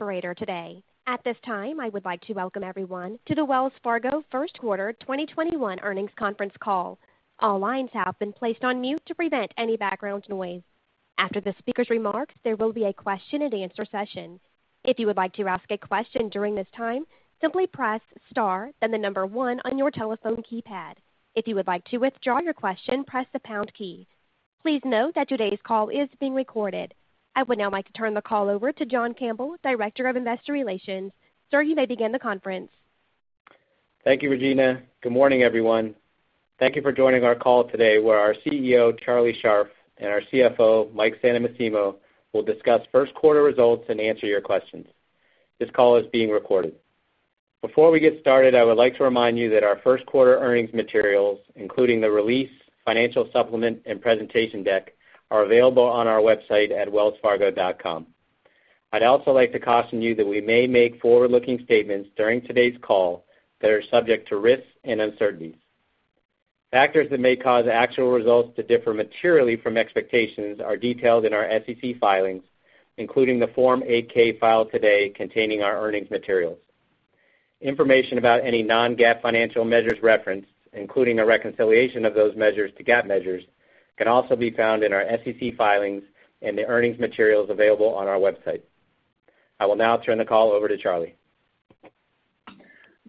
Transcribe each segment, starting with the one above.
Operator today. At this time, I would like to welcome everyone to the Wells Fargo First Quarter 2021 Earnings Conference Call. All lines have been placed on mute to prevent any background noise. After the speaker's remarks, there will be a question and answer session. If you would like to ask a question during this time, simply press star, then the number one on your telephone keypad. If you would like to withdraw your question, press the pound key. Please note that today's call is being recorded. I would now like to turn the call over to John Campbell, Director of Investor Relations. Sir, you may begin the conference. Thank you, Regina. Good morning, everyone. Thank you for joining our call today, where our CEO, Charlie Scharf, and our CFO, Mike Santomassimo, will discuss first quarter results and answer your questions. This call is being recorded. Before we get started, I would like to remind you that our first quarter earnings materials, including the release, financial supplement, and presentation deck, are available on our website at wellsfargo.com. I'd also like to caution you that we may make forward-looking statements during today's call that are subject to risks and uncertainties. Factors that may cause actual results to differ materially from expectations are detailed in our SEC filings, including the Form 8-K filed today containing our earnings materials. Information about any non-GAAP financial measures referenced, including a reconciliation of those measures to GAAP measures, can also be found in our SEC filings and the earnings materials available on our website. I will now turn the call over to Charlie.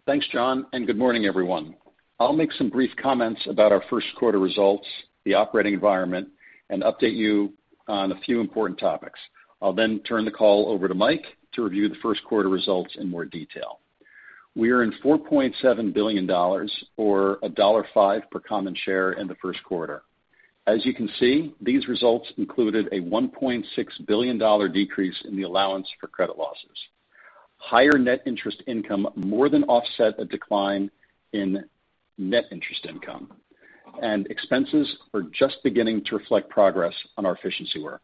Thanks, John. Good morning, everyone. I'll make some brief comments about our first quarter results, the operating environment, and update you on a few important topics. I'll turn the call over to Mike to review the first quarter results in more detail. We earned $4.7 billion, or $1.05 per common share in the first quarter. As you can see, these results included a $1.6 billion decrease in the allowance for credit losses. Higher net interest income more than offset a decline in net interest income, and expenses are just beginning to reflect progress on our efficiency work.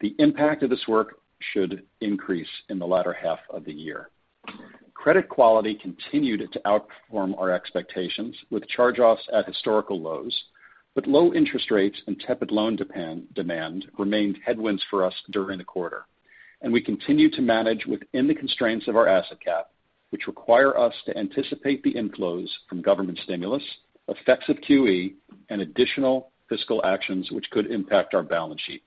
The impact of this work should increase in the latter half of the year. Credit quality continued to outperform our expectations with charge-offs at historical lows. Low interest rates and tepid loan demand remained headwinds for us during the quarter, and we continue to manage within the constraints of our asset cap, which require us to anticipate the inflows from government stimulus, effects of QE, and additional fiscal actions which could impact our balance sheet.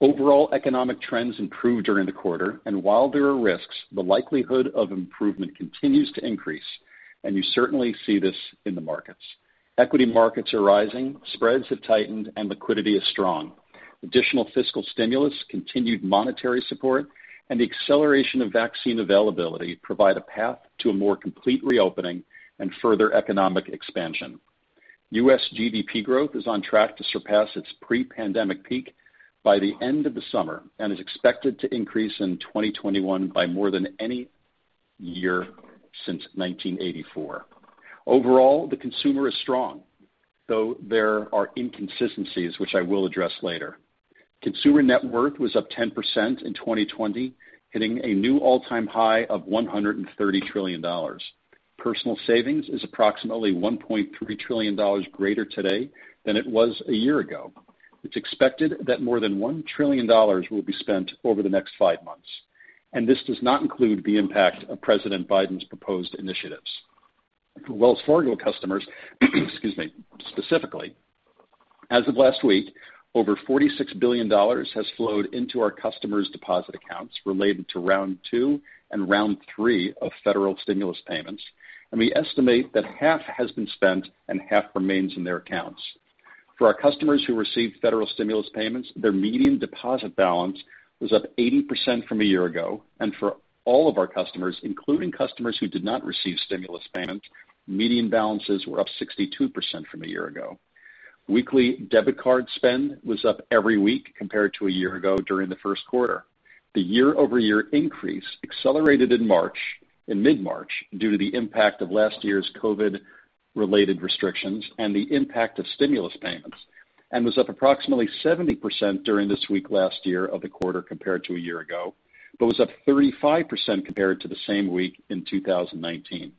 Overall, economic trends improved during the quarter. While there are risks, the likelihood of improvement continues to increase, and you certainly see this in the markets. Equity markets are rising, spreads have tightened, and liquidity is strong. Additional fiscal stimulus, continued monetary support, and the acceleration of vaccine availability provide a path to a more complete reopening and further economic expansion. U.S. GDP growth is on track to surpass its pre-pandemic peak by the end of the summer and is expected to increase in 2021 by more than any year since 1984. Overall, the consumer is strong, though there are inconsistencies, which I will address later. Consumer net worth was up 10% in 2020, hitting a new all-time high of $130 trillion. Personal savings is approximately $1.3 trillion greater today than it was a year ago. It's expected that more than $1 trillion will be spent over the next five months, and this does not include the impact of President Biden's proposed initiatives. For Wells Fargo customers, excuse me, specifically, as of last week, over $46 billion has flowed into our customers' deposit accounts related to round two and round three of federal stimulus payments, and we estimate that half has been spent and half remains in their accounts. For our customers who received federal stimulus payments, their median deposit balance was up 80% from a year ago, and for all of our customers, including customers who did not receive stimulus payments, median balances were up 62% from a year ago. Weekly debit card spend was up every week compared to a year ago during the first quarter. The year-over-year increase accelerated in mid-March due to the impact of last year's COVID-related restrictions and the impact of stimulus payments and was up approximately 70% during this week last year of the quarter compared to a year ago, but was up 35% compared to the same week in 2019.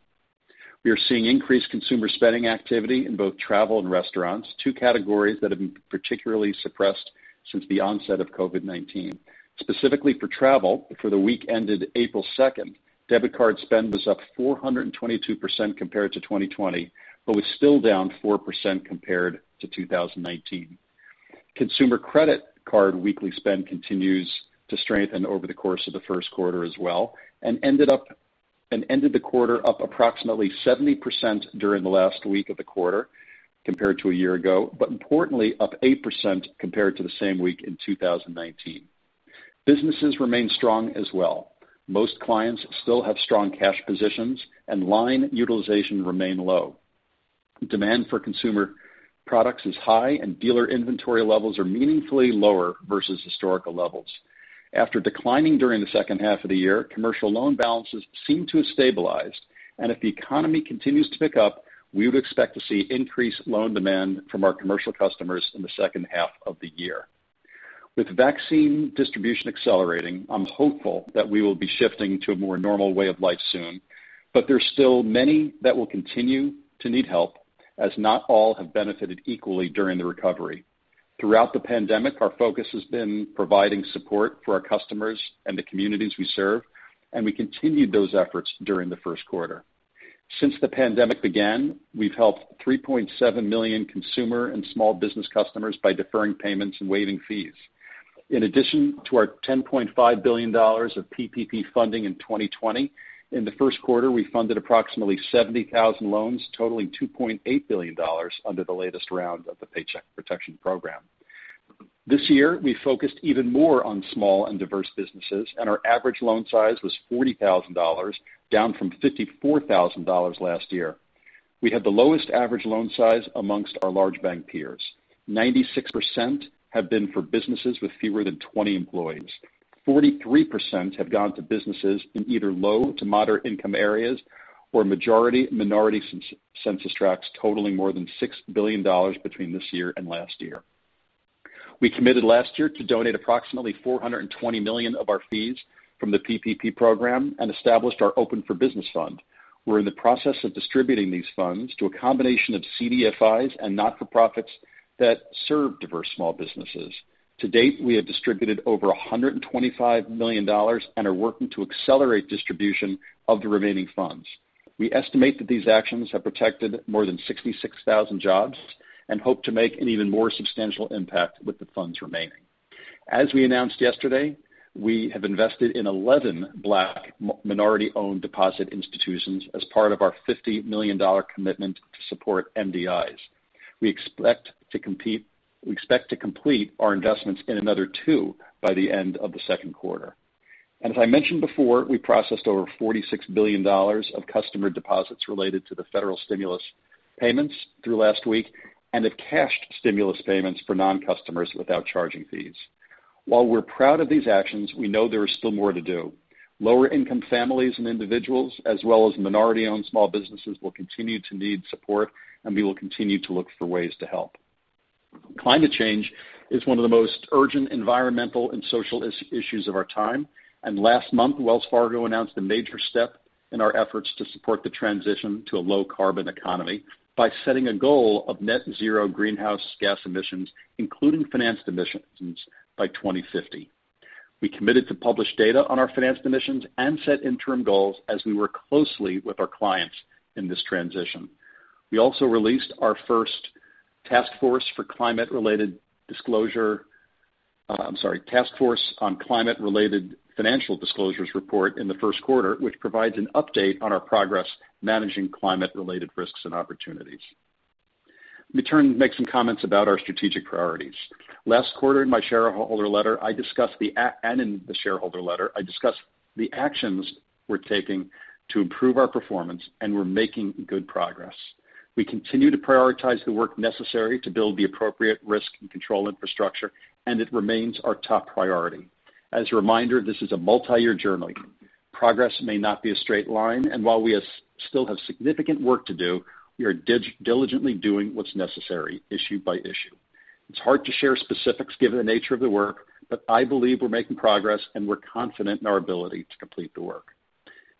We are seeing increased consumer spending activity in both travel and restaurants, two categories that have been particularly suppressed since the onset of COVID-19. Specifically for travel, for the week ended April 2nd, debit card spend was up 422% compared to 2020, but was still down 4% compared to 2019. Consumer credit card weekly spend continues to strengthen over the course of the first quarter as well and ended the quarter up approximately 70% during the last week of the quarter compared to a year ago, but importantly, up 8% compared to the same week in 2019. Businesses remain strong as well. Most clients still have strong cash positions and line utilization remain low. Demand for consumer products is high and dealer inventory levels are meaningfully lower versus historical levels. After declining during the second half of the year, commercial loan balances seem to have stabilized, and if the economy continues to pick up, we would expect to see increased loan demand from our commercial customers in the second half of the year. With vaccine distribution accelerating, I'm hopeful that we will be shifting to a more normal way of life soon, but there's still many that will continue to need help as not all have benefited equally during the recovery. Throughout the pandemic, our focus has been providing support for our customers and the communities we serve, and we continued those efforts during the first quarter. Since the pandemic began, we've helped 3.7 million consumer and small business customers by deferring payments and waiving fees. In addition to our $10.5 billion of PPP funding in 2020, in the first quarter, we funded approximately 70,000 loans totaling $2.8 billion under the latest round of the Paycheck Protection Program. This year, we focused even more on small and diverse businesses, and our average loan size was $40,000, down from $54,000 last year. We had the lowest average loan size amongst our large bank peers. 96% have been for businesses with fewer than 20 employees. 43% have gone to businesses in either low to moderate income areas or majority minority census tracts totaling more than $6 billion between this year and last year. We committed last year to donate approximately $420 million of our fees from the PPP program and established our Open for Business Fund. We're in the process of distributing these funds to a combination of CDFIs and not-for-profits that serve diverse small businesses. To date, we have distributed over $125 million and are working to accelerate distribution of the remaining funds. We estimate that these actions have protected more than 66,000 jobs and hope to make an even more substantial impact with the funds remaining. As we announced yesterday, we have invested in 11 Black minority-owned deposit institutions as part of our $50 million commitment to support MDIs. We expect to complete our investments in another two by the end of the second quarter. As I mentioned before, we processed over $46 billion of customer deposits related to the federal stimulus payments through last week and have cashed stimulus payments for non-customers without charging fees. While we're proud of these actions, we know there is still more to do. Lower-income families and individuals, as well as minority-owned small businesses, will continue to need support, and we will continue to look for ways to help. Climate change is one of the most urgent environmental and social issues of our time. Last month, Wells Fargo announced a major step in our efforts to support the transition to a low-carbon economy by setting a goal of net zero greenhouse gas emissions, including financed emissions, by 2050. We committed to publish data on our financed emissions and set interim goals as we work closely with our clients in this transition. We also released our first Task Force on Climate-related Financial Disclosures report in the first quarter, which provides an update on our progress managing climate-related risks and opportunities. Let me turn and make some comments about our strategic priorities. Last quarter in my shareholder letter, I discussed the actions we're taking to improve our performance. We're making good progress. We continue to prioritize the work necessary to build the appropriate risk and control infrastructure. It remains our top priority. As a reminder, this is a multi-year journey. Progress may not be a straight line, and while we still have significant work to do, we are diligently doing what's necessary, issue by issue. It's hard to share specifics given the nature of the work, but I believe we're making progress, and we're confident in our ability to complete the work.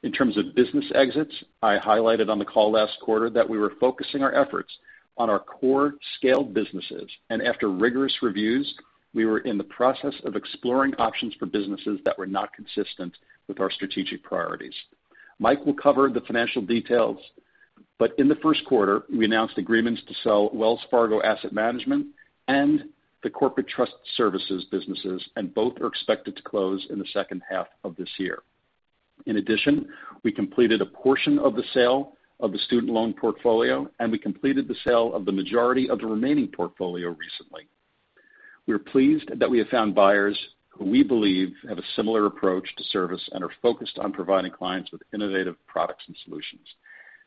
In terms of business exits, I highlighted on the call last quarter that we were focusing our efforts on our core scaled businesses, and after rigorous reviews, we were in the process of exploring options for businesses that were not consistent with our strategic priorities. Mike will cover the financial details, but in the first quarter, we announced agreements to sell Wells Fargo Asset Management and the Corporate Trust Services businesses, and both are expected to close in the second half of this year. In addition, we completed a portion of the sale of the student loan portfolio, and we completed the sale of the majority of the remaining portfolio recently. We are pleased that we have found buyers who we believe have a similar approach to service and are focused on providing clients with innovative products and solutions.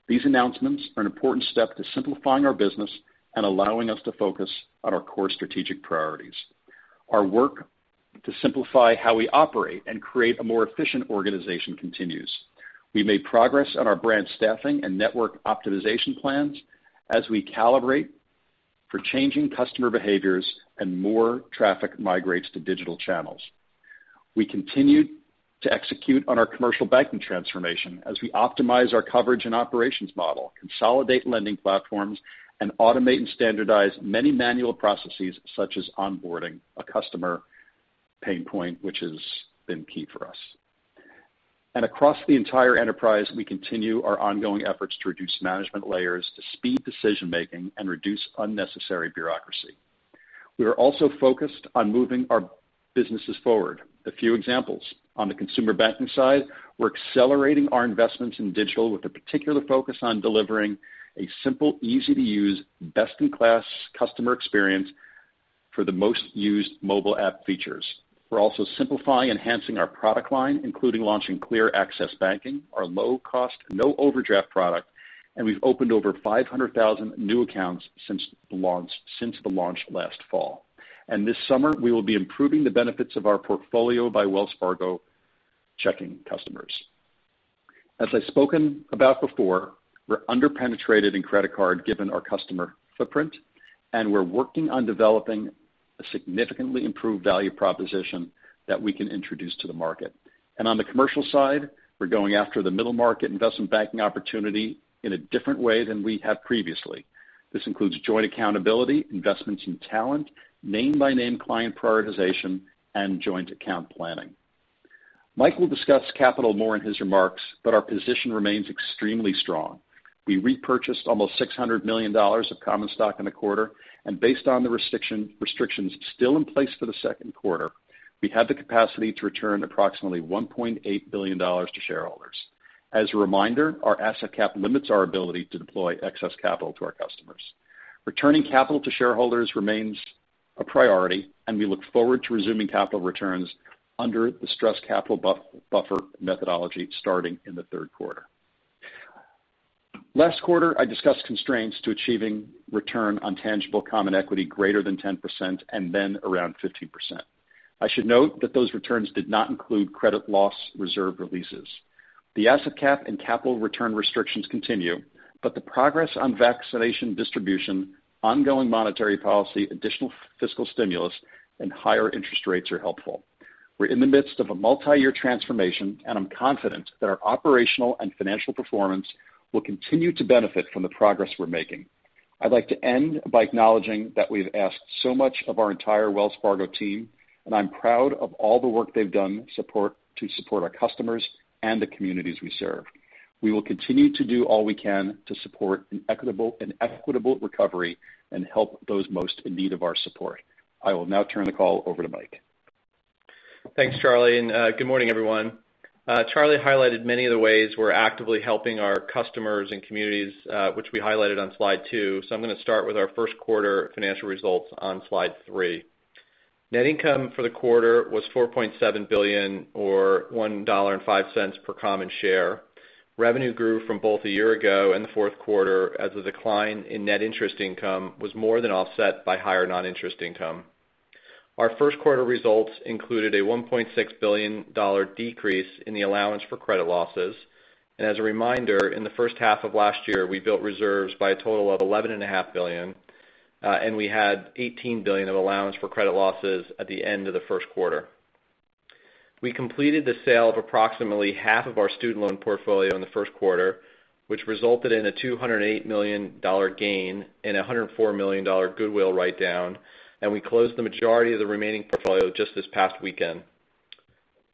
These announcements are an important step to simplifying our business and allowing us to focus on our core strategic priorities. Our work to simplify how we operate and create a more efficient organization continues. We made progress on our branch staffing and network optimization plans as we calibrate for changing customer behaviors and more traffic migrates to digital channels. We continued to execute on our commercial banking transformation as we optimize our coverage and operations model, consolidate lending platforms, and automate and standardize many manual processes, such as onboarding a customer pain point, which has been key for us. Across the entire enterprise, we continue our ongoing efforts to reduce management layers to speed decision-making and reduce unnecessary bureaucracy. We are also focused on moving our businesses forward. A few examples. On the consumer banking side, we're accelerating our investments in digital with a particular focus on delivering a simple, easy-to-use, best-in-class customer experience for the most used mobile app features. We're also simplifying, enhancing our product line, including launching Clear Access Banking, our low-cost, no-overdraft product. We've opened over 500,000 new accounts since the launch last fall. This summer, we will be improving the benefits of our Portfolio by Wells Fargo checking customers. As I've spoken about before, we're under-penetrated in credit card given our customer footprint, and we're working on developing a significantly improved value proposition that we can introduce to the market. On the commercial side, we're going after the middle-market investment banking opportunity in a different way than we have previously. This includes joint accountability, investments in talent, name-by-name client prioritization, and joint account planning. Mike will discuss capital more in his remarks, but our position remains extremely strong. We repurchased almost $600 million of common stock in the quarter, and based on the restrictions still in place for the second quarter, we have the capacity to return approximately $1.8 billion to shareholders. As a reminder, our asset cap limits our ability to deploy excess capital to our customers. Returning capital to shareholders remains a priority, and we look forward to resuming capital returns under the stress capital buffer methodology starting in the third quarter. Last quarter, I discussed constraints to achieving return on tangible common equity greater than 10% and then around 15%. I should note that those returns did not include credit loss reserve releases. The asset cap and capital return restrictions continue, but the progress on vaccination distribution, ongoing monetary policy, additional fiscal stimulus, and higher interest rates are helpful. We're in the midst of a multi-year transformation, and I'm confident that our operational and financial performance will continue to benefit from the progress we're making. I'd like to end by acknowledging that we've asked so much of our entire Wells Fargo team, and I'm proud of all the work they've done to support our customers and the communities we serve. We will continue to do all we can to support an equitable recovery and help those most in need of our support. I will now turn the call over to Mike. Thanks, Charlie. Good morning, everyone. Charlie highlighted many of the ways we're actively helping our customers and communities, which we highlighted on slide two. I'm going to start with our first quarter financial results on slide three. Net income for the quarter was $4.7 billion, or $1.05 per common share. Revenue grew from both a year ago and the fourth quarter as the decline in net interest income was more than offset by higher non-interest income. Our first quarter results included a $1.6 billion decrease in the allowance for credit losses. As a reminder, in the first half of last year, we built reserves by a total of $11.5 billion, and we had $18 billion of allowance for credit losses at the end of the first quarter. We completed the sale of approximately half of our student loan portfolio in the first quarter, which resulted in a $208 million gain and $104 million goodwill write-down. We closed the majority of the remaining portfolio just this past weekend.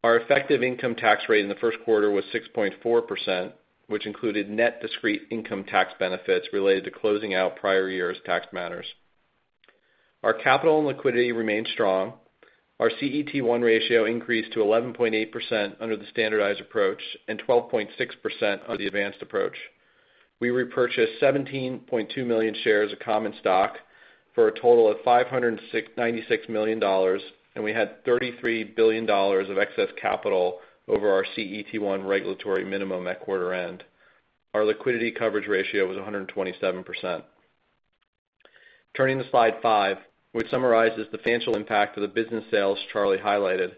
Our effective income tax rate in the first quarter was 6.4%, which included net discrete income tax benefits related to closing out prior years' tax matters. Our capital and liquidity remain strong. Our CET1 ratio increased to 11.8% under the standardized approach and 12.6% under the advanced approach. We repurchased 17.2 million shares of common stock for a total of $596 million. We had $33 billion of excess capital over our CET1 regulatory minimum at quarter end. Our liquidity coverage ratio was 127%. Turning to slide five, which summarizes the financial impact of the business sales Charlie highlighted.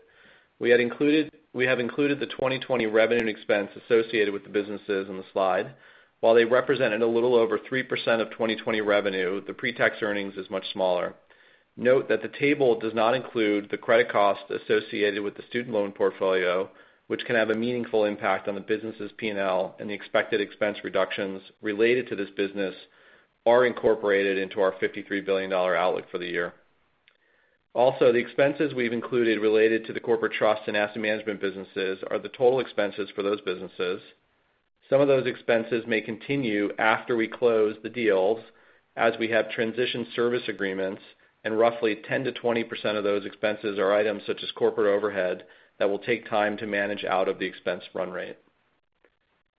We have included the 2020 revenue and expense associated with the businesses on the slide. While they represented a little over 3% of 2020 revenue, the pre-tax earnings is much smaller. Note that the table does not include the credit cost associated with the student loan portfolio, which can have a meaningful impact on the business's P&L and the expected expense reductions related to this business are incorporated into our $53 billion outlook for the year. The expenses we've included related to the corporate trust and asset management businesses are the total expenses for those businesses. Some of those expenses may continue after we close the deals as we have transition service agreements, and roughly 10%-20% of those expenses are items such as corporate overhead that will take time to manage out of the expense run rate.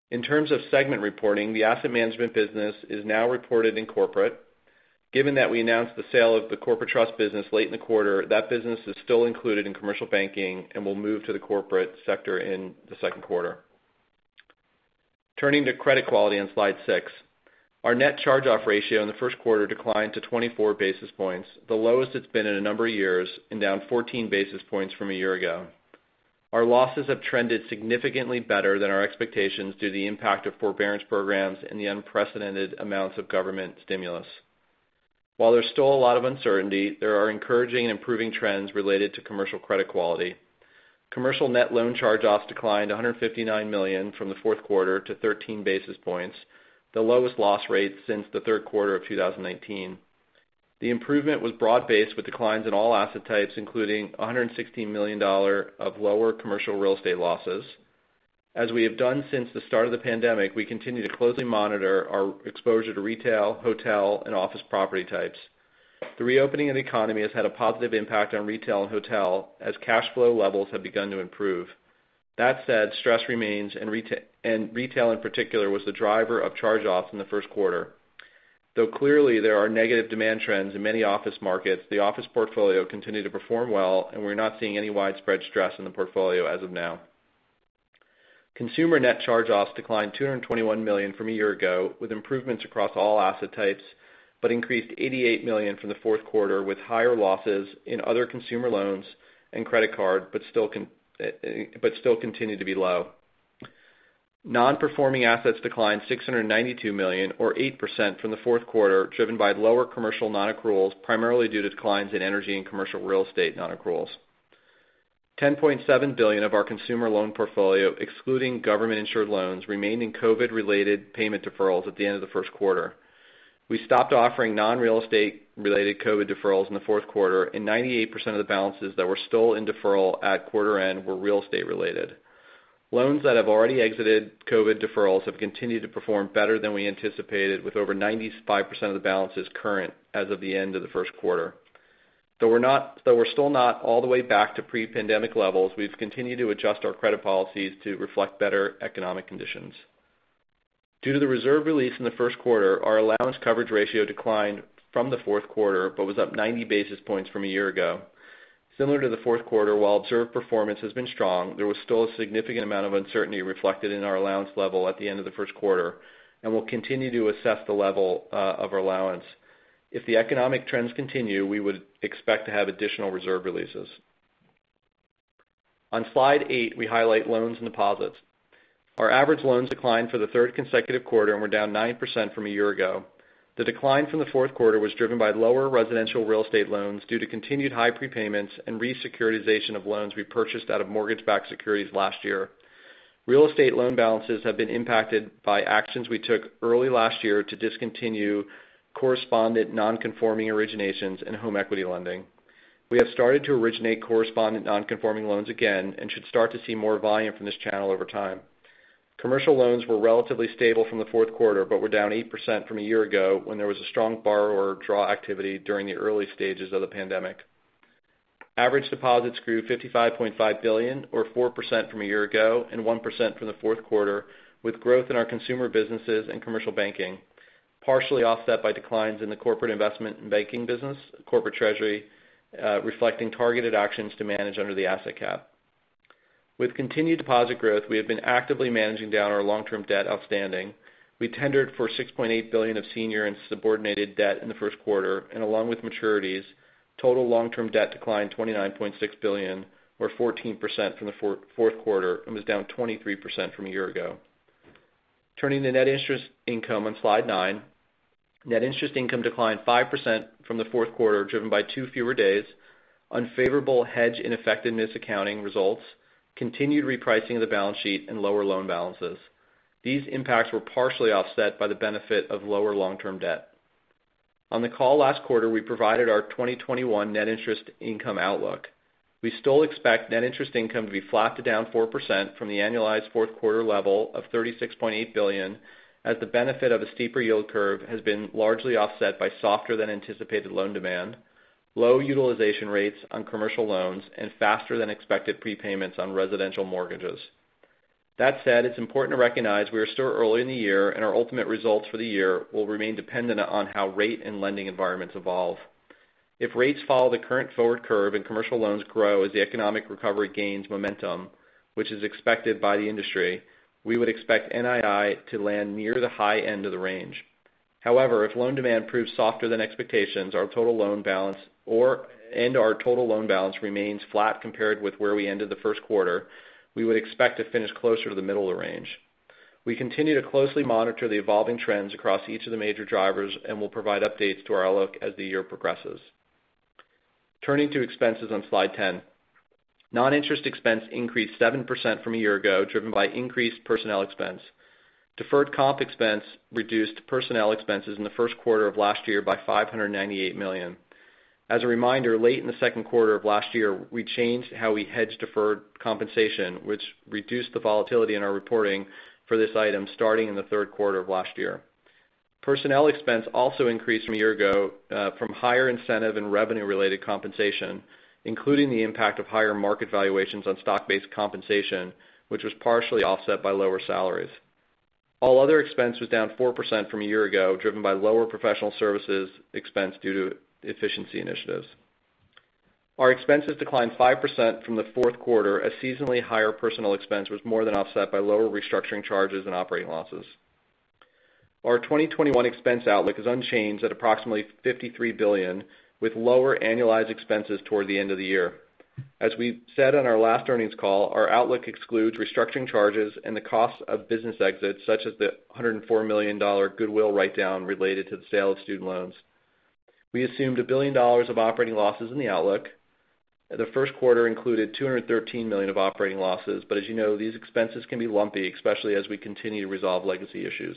In terms of segment reporting, the asset management business is now reported in corporate. Given that we announced the sale of the corporate trust business late in the quarter, that business is still included in commercial banking and will move to the corporate sector in the second quarter. Turning to credit quality on slide six. Our net charge-off ratio in the first quarter declined to 24 basis points, the lowest it's been in a number of years, and down 14 basis points from a year ago. Our losses have trended significantly better than our expectations due to the impact of forbearance programs and the unprecedented amounts of government stimulus. While there's still a lot of uncertainty, there are encouraging improving trends related to commercial credit quality. Commercial net loan charge-offs declined $159 million from the fourth quarter to 13 basis points, the lowest loss rate since the third quarter of 2019. The improvement was broad-based, with declines in all asset types, including $116 million of lower commercial real estate losses. As we have done since the start of the pandemic, we continue to closely monitor our exposure to retail, hotel, and office property types. The reopening of the economy has had a positive impact on retail and hotel as cash flow levels have begun to improve. That said, stress remains, and retail in particular was the driver of charge-offs in the first quarter. Though clearly there are negative demand trends in many office markets, the office portfolio continued to perform well, and we're not seeing any widespread stress in the portfolio as of now. Consumer net charge-offs declined $221 million from a year ago, with improvements across all asset types, but increased $88 million from the fourth quarter, with higher losses in other consumer loans and credit card, but still continued to be low. Non-performing assets declined $692 million or 8% from the fourth quarter, driven by lower commercial non-accruals, primarily due to declines in energy and commercial real estate non-accruals. $10.7 billion of our consumer loan portfolio, excluding government-insured loans, remained in COVID-related payment deferrals at the end of the first quarter. We stopped offering non-real estate related COVID deferrals in the fourth quarter. 98% of the balances that were still in deferral at quarter end were real estate related. Loans that have already exited COVID deferrals have continued to perform better than we anticipated, with over 95% of the balances current as of the end of the first quarter. Though we're still not all the way back to pre-pandemic levels, we've continued to adjust our credit policies to reflect better economic conditions. Due to the reserve release in the first quarter, our allowance coverage ratio declined from the fourth quarter but was up 90 basis points from a year ago. Similar to the fourth quarter, while observed performance has been strong, there was still a significant amount of uncertainty reflected in our allowance level at the end of the first quarter, and we'll continue to assess the level of our allowance. If the economic trends continue, we would expect to have additional reserve releases. On slide eight, we highlight loans and deposits. Our average loans declined for the third consecutive quarter and were down 9% from a year ago. The decline from the fourth quarter was driven by lower residential real estate loans due to continued high prepayments and re-securitization of loans we purchased out of mortgage-backed securities last year. Real estate loan balances have been impacted by actions we took early last year to discontinue correspondent non-conforming originations and home equity lending. We have started to originate correspondent non-conforming loans again and should start to see more volume from this channel over time. Commercial loans were relatively stable from the fourth quarter but were down 8% from a year ago when there was a strong borrower draw activity during the early stages of the pandemic. Average deposits grew $55.5 billion, or 4% from a year ago and 1% from the fourth quarter, with growth in our consumer businesses and commercial banking, partially offset by declines in the corporate investment and banking business, corporate treasury, reflecting targeted actions to manage under the asset cap. With continued deposit growth, we have been actively managing down our long-term debt outstanding. We tendered for $6.8 billion of senior and subordinated debt in the first quarter, and along with maturities, total long-term debt declined $29.6 billion, or 14% from the fourth quarter and was down 23% from a year ago. Turning to net interest income on slide nine. Net interest income declined 5% from the fourth quarter, driven by two fewer days, unfavorable hedge ineffectiveness accounting results, continued repricing of the balance sheet, and lower loan balances. These impacts were partially offset by the benefit of lower long-term debt. On the call last quarter, we provided our 2021 net interest income outlook. We still expect net interest income to be flat to down 4% from the annualized fourth quarter level of $36.8 billion, as the benefit of a steeper yield curve has been largely offset by softer than anticipated loan demand, low utilization rates on commercial loans, and faster than expected prepayments on residential mortgages. That said, it's important to recognize we are still early in the year, and our ultimate results for the year will remain dependent on how rate and lending environments evolve. If rates follow the current forward curve and commercial loans grow as the economic recovery gains momentum, which is expected by the industry, we would expect NII to land near the high end of the range. However, if loan demand proves softer than expectations and our total loan balance remains flat compared with where we ended the first quarter, we would expect to finish closer to the middle of the range. We continue to closely monitor the evolving trends across each of the major drivers and will provide updates to our outlook as the year progresses. Turning to expenses on slide 10. Non-interest expense increased 7% from a year ago, driven by increased personnel expense. Deferred comp expense reduced personnel expenses in the first quarter of last year by $598 million. As a reminder, late in the second quarter of last year, we changed how we hedged deferred compensation, which reduced the volatility in our reporting for this item starting in the third quarter of last year. Personnel expense also increased from a year ago from higher incentive and revenue related compensation, including the impact of higher market valuations on stock-based compensation, which was partially offset by lower salaries. All other expense was down 4% from a year ago, driven by lower professional services expense due to efficiency initiatives. Our expenses declined 5% from the fourth quarter, as seasonally higher personnel expense was more than offset by lower restructuring charges and operating losses. Our 2021 expense outlook is unchanged at approximately $53 billion, with lower annualized expenses toward the end of the year. As we said on our last earnings call, our outlook excludes restructuring charges and the cost of business exits, such as the $104 million goodwill write-down related to the sale of student loans. We assumed $1 billion of operating losses in the outlook. The first quarter included $213 million of operating losses. As you know, these expenses can be lumpy, especially as we continue to resolve legacy issues.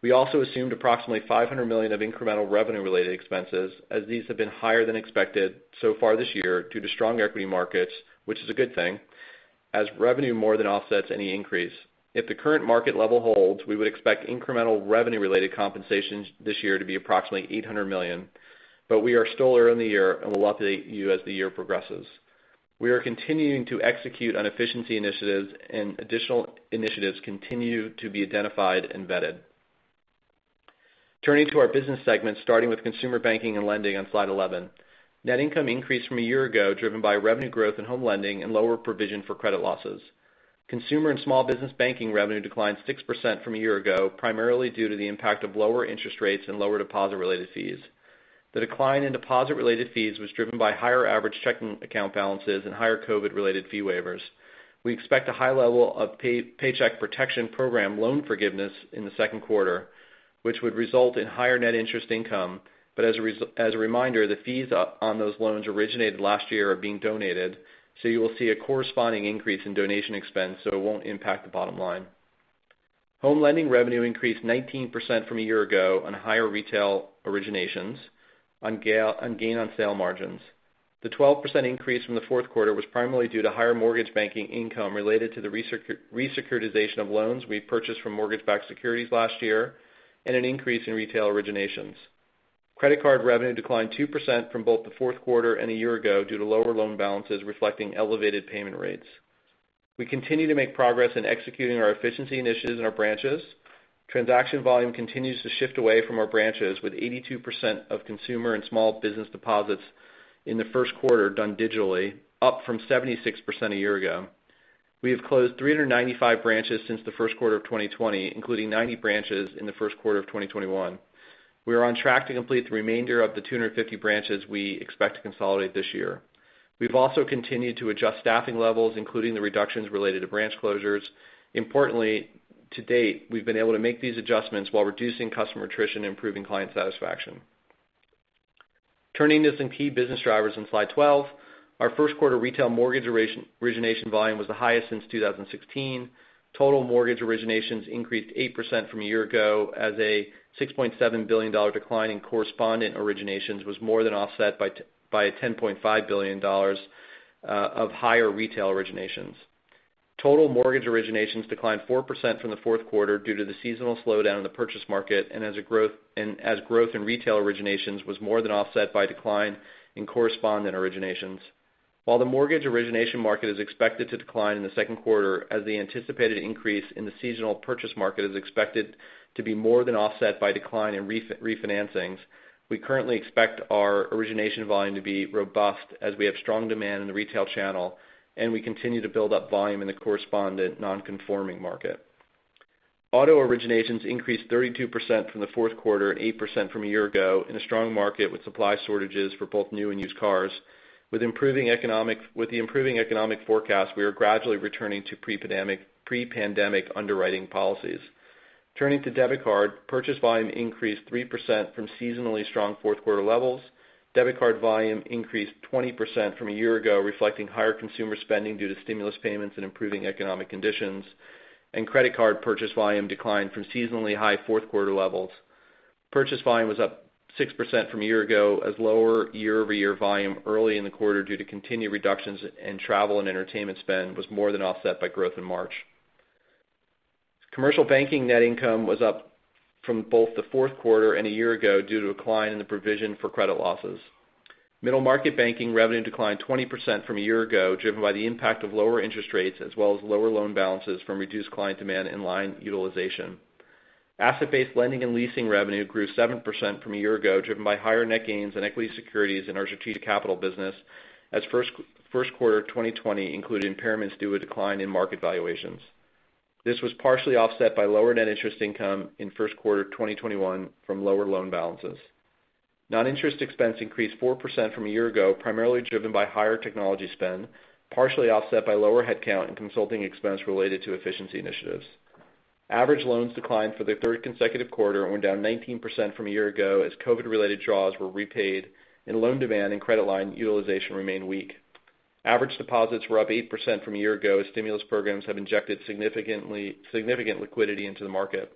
We also assumed approximately $500 million of incremental revenue related expenses, as these have been higher than expected so far this year due to strong equity markets, which is a good thing, as revenue more than offsets any increase. If the current market level holds, we would expect incremental revenue related compensations this year to be approximately $800 million. We are still early in the year, and we'll update you as the year progresses. We are continuing to execute on efficiency initiatives, additional initiatives continue to be identified and vetted. Turning to our business segments, starting with consumer banking and lending on slide 11. Net income increased from a year ago, driven by revenue growth in home lending and lower provision for credit losses. Consumer and small business banking revenue declined 6% from a year ago, primarily due to the impact of lower interest rates and lower deposit related fees. The decline in deposit related fees was driven by higher average checking account balances and higher COVID-related fee waivers. We expect a high level of Paycheck Protection Program loan forgiveness in the second quarter, which would result in higher net interest income. As a reminder, the fees on those loans originated last year are being donated, you will see a corresponding increase in donation expense, it won't impact the bottom line. Home lending revenue increased 19% from a year ago on higher retail originations and gain on sale margins. The 12% increase from the fourth quarter was primarily due to higher mortgage banking income related to the re-securitization of loans we purchased from mortgage-backed securities last year, and an increase in retail originations. Credit card revenue declined 2% from both the fourth quarter and a year ago due to lower loan balances reflecting elevated payment rates. We continue to make progress in executing our efficiency initiatives in our branches. Transaction volume continues to shift away from our branches, with 82% of consumer and small business deposits in the first quarter done digitally, up from 76% a year ago. We have closed 395 branches since the first quarter of 2020, including 90 branches in the first quarter of 2021. We are on track to complete the remainder of the 250 branches we expect to consolidate this year. We've also continued to adjust staffing levels, including the reductions related to branch closures. Importantly, to date, we've been able to make these adjustments while reducing customer attrition, improving client satisfaction. Turning to some key business drivers on slide 12. Our first quarter retail mortgage origination volume was the highest since 2016. Total mortgage originations increased 8% from a year ago as a $6.7 billion decline in correspondent originations was more than offset by a $10.5 billion of higher retail originations. Total mortgage originations declined 4% from the fourth quarter due to the seasonal slowdown in the purchase market, and as growth in retail originations was more than offset by decline in correspondent originations. While the mortgage origination market is expected to decline in the second quarter as the anticipated increase in the seasonal purchase market is expected to be more than offset by decline in refinancings, we currently expect our origination volume to be robust as we have strong demand in the retail channel and we continue to build up volume in the correspondent non-conforming market. Auto originations increased 32% from the fourth quarter and 8% from a year ago in a strong market, with supply shortages for both new and used cars. With the improving economic forecast, we are gradually returning to pre-pandemic underwriting policies. Turning to debit card, purchase volume increased 3% from seasonally strong fourth quarter levels. Debit card volume increased 20% from a year ago, reflecting higher consumer spending due to stimulus payments and improving economic conditions. Credit card purchase volume declined from seasonally high fourth quarter levels. Purchase volume was up 6% from a year ago as lower year-over-year volume early in the quarter due to continued reductions in travel and entertainment spend was more than offset by growth in March. Commercial banking net income was up from both the fourth quarter and a year ago due to a decline in the provision for credit losses. Middle market banking revenue declined 20% from a year ago, driven by the impact of lower interest rates, as well as lower loan balances from reduced client demand and line utilization. Asset-based lending and leasing revenue grew 7% from a year ago, driven by higher net gains in equity securities in our strategic capital business, as first quarter 2020 included impairments due to decline in market valuations. This was partially offset by lower net interest income in first quarter 2021 from lower loan balances. Non-interest expense increased 4% from a year ago, primarily driven by higher technology spend, partially offset by lower head count in consulting expense related to efficiency initiatives. Average loans declined for the third consecutive quarter and went down 19% from a year ago as COVID-related draws were repaid and loan demand and credit line utilization remained weak. Average deposits were up 8% from a year ago, as stimulus programs have injected significant liquidity into the market.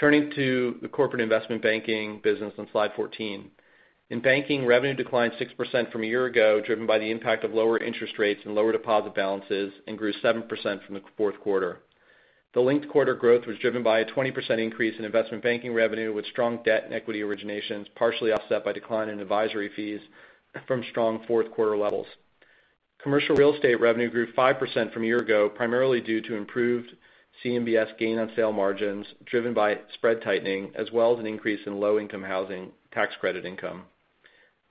Turning to the corporate investment banking business on slide 14. In banking, revenue declined 6% from a year ago, driven by the impact of lower interest rates and lower deposit balances, and grew 7% from the fourth quarter. The linked quarter growth was driven by a 20% increase in investment banking revenue with strong debt and equity originations, partially offset by decline in advisory fees from strong fourth quarter levels. Commercial real estate revenue grew 5% from a year ago, primarily due to improved CMBS gain on sale margins driven by spread tightening, as well as an increase in low-income housing tax credit income.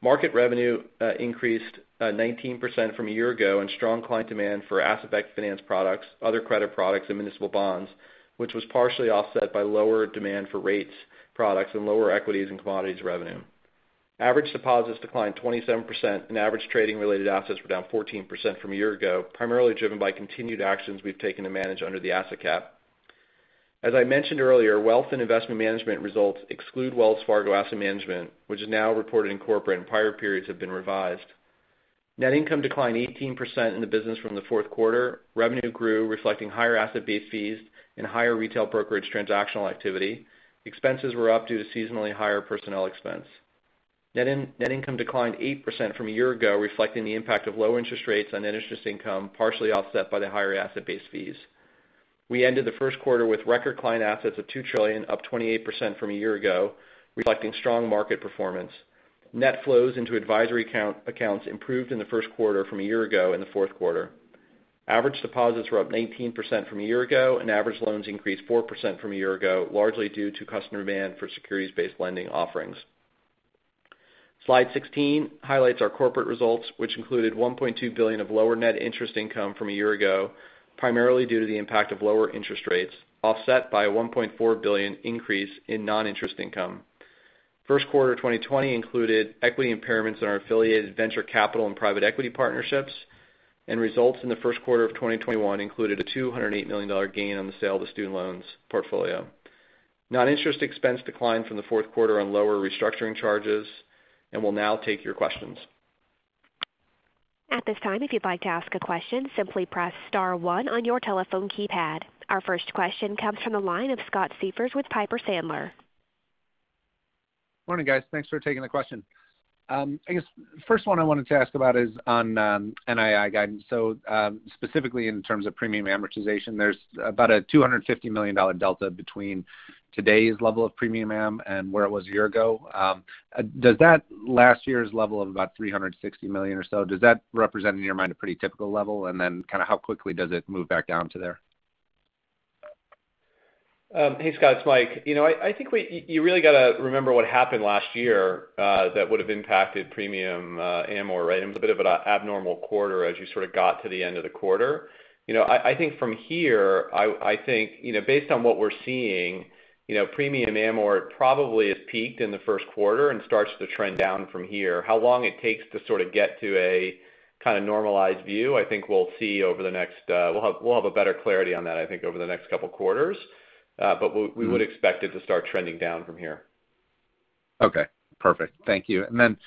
Market revenue increased 19% from a year ago on strong client demand for asset-backed finance products, other credit products, and municipal bonds, which was partially offset by lower demand for rates products and lower equities and commodities revenue. Average deposits declined 27%, and average trading-related assets were down 14% from a year ago, primarily driven by continued actions we've taken to manage under the asset cap. As I mentioned earlier, wealth and investment management results exclude Wells Fargo Asset Management, which is now reported in corporate, and prior periods have been revised. Net income declined 18% in the business from the fourth quarter. Revenue grew, reflecting higher asset-based fees and higher retail brokerage transactional activity. Expenses were up due to seasonally higher personnel expense. Net income declined 8% from a year ago, reflecting the impact of low interest rates on net interest income, partially offset by the higher asset-based fees. We ended the first quarter with record client assets of $2 trillion, up 28% from a year ago, reflecting strong market performance. Net flows into advisory accounts improved in the first quarter from a year ago and the fourth quarter. Average deposits were up 19% from a year ago, and average loans increased 4% from a year ago, largely due to customer demand for securities-based lending offerings. Slide 16 highlights our corporate results, which included $1.2 billion of lower net interest income from a year ago, primarily due to the impact of lower interest rates, offset by a $1.4 billion increase in non-interest income. First quarter 2020 included equity impairments in our affiliated venture capital and private equity partnerships, and results in the first quarter of 2021 included a $208 million gain on the sale of the student loans portfolio. Non-interest expense declined from the fourth quarter on lower restructuring charges. We'll now take your questions. At this time, if you'd like to ask a question, simply press star one on your telephone keypad. Our first question comes from the line of Scott Siefers with Piper Sandler. Morning, guys. Thanks for taking the question. I guess first one I wanted to ask about is on NII guidance. Specifically in terms of premium amortization, there's about a $250 million delta between today's level of premium am and where it was a year ago. Does that last year's level of about $360 million or so, does that represent, in your mind, a pretty typical level? And then kind of how quickly does it move back down to there? Hey, Scott, it's Mike. I think you really got to remember what happened last year that would've impacted premium amort, right? It was a bit of an abnormal quarter as you sort of got to the end of the quarter. I think from here, based on what we're seeing, premium amort probably has peaked in the first quarter and starts to trend down from here. How long it takes to sort of get to a kind of normalized view, I think we'll have a better clarity on that, I think, over the next couple of quarters. We would expect it to start trending down from here. Okay, perfect. Thank you. Then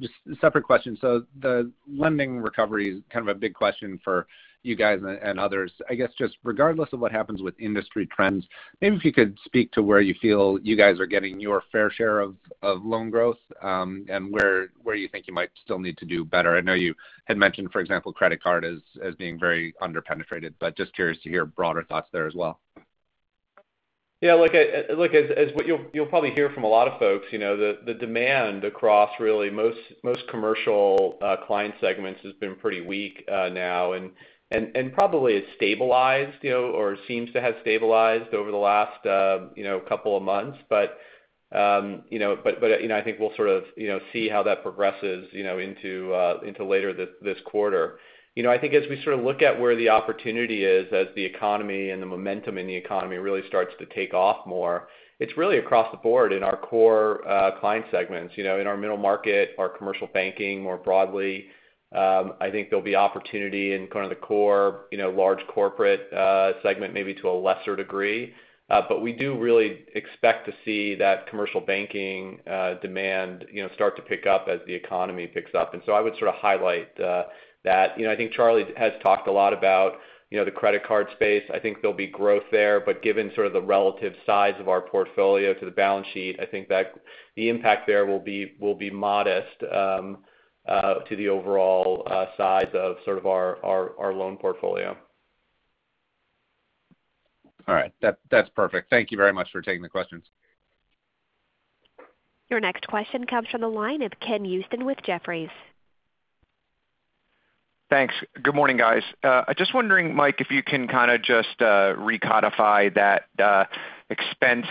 just a separate question. So the lending recovery is kind of a big question for you guys and others. I guess just regardless of what happens with industry trends, maybe if you could speak to where you feel you guys are getting your fair share of loan growth and where you think you might still need to do better. I know you had mentioned, for example, credit card as being very under-penetrated, but just curious to hear broader thoughts there as well. Yeah, look, as what you'll probably hear from a lot of folks, the demand across really most commercial client segments has been pretty weak now and probably has stabilized or seems to have stabilized over the last couple of months. I think we'll sort of see how that progresses into later this quarter. I think as we sort of look at where the opportunity is as the economy and the momentum in the economy really starts to take off more, it's really across the board in our core client segments. In our middle market, our commercial banking more broadly, I think there'll be opportunity in kind of the core large corporate segment, maybe to a lesser degree. We do really expect to see that commercial banking demand start to pick up as the economy picks up. I would sort of highlight that. I think Charlie has talked a lot about the credit card space. I think there will be growth there, but given sort of the relative size of our portfolio to the balance sheet, I think that the impact there will be modest to the overall size of sort of our loan portfolio. All right. That's perfect. Thank you very much for taking the questions. Your next question comes from the line of Ken Usdin with Jefferies. Thanks. Good morning, guys. Just wondering, Mike, if you can kind of just recodify that expense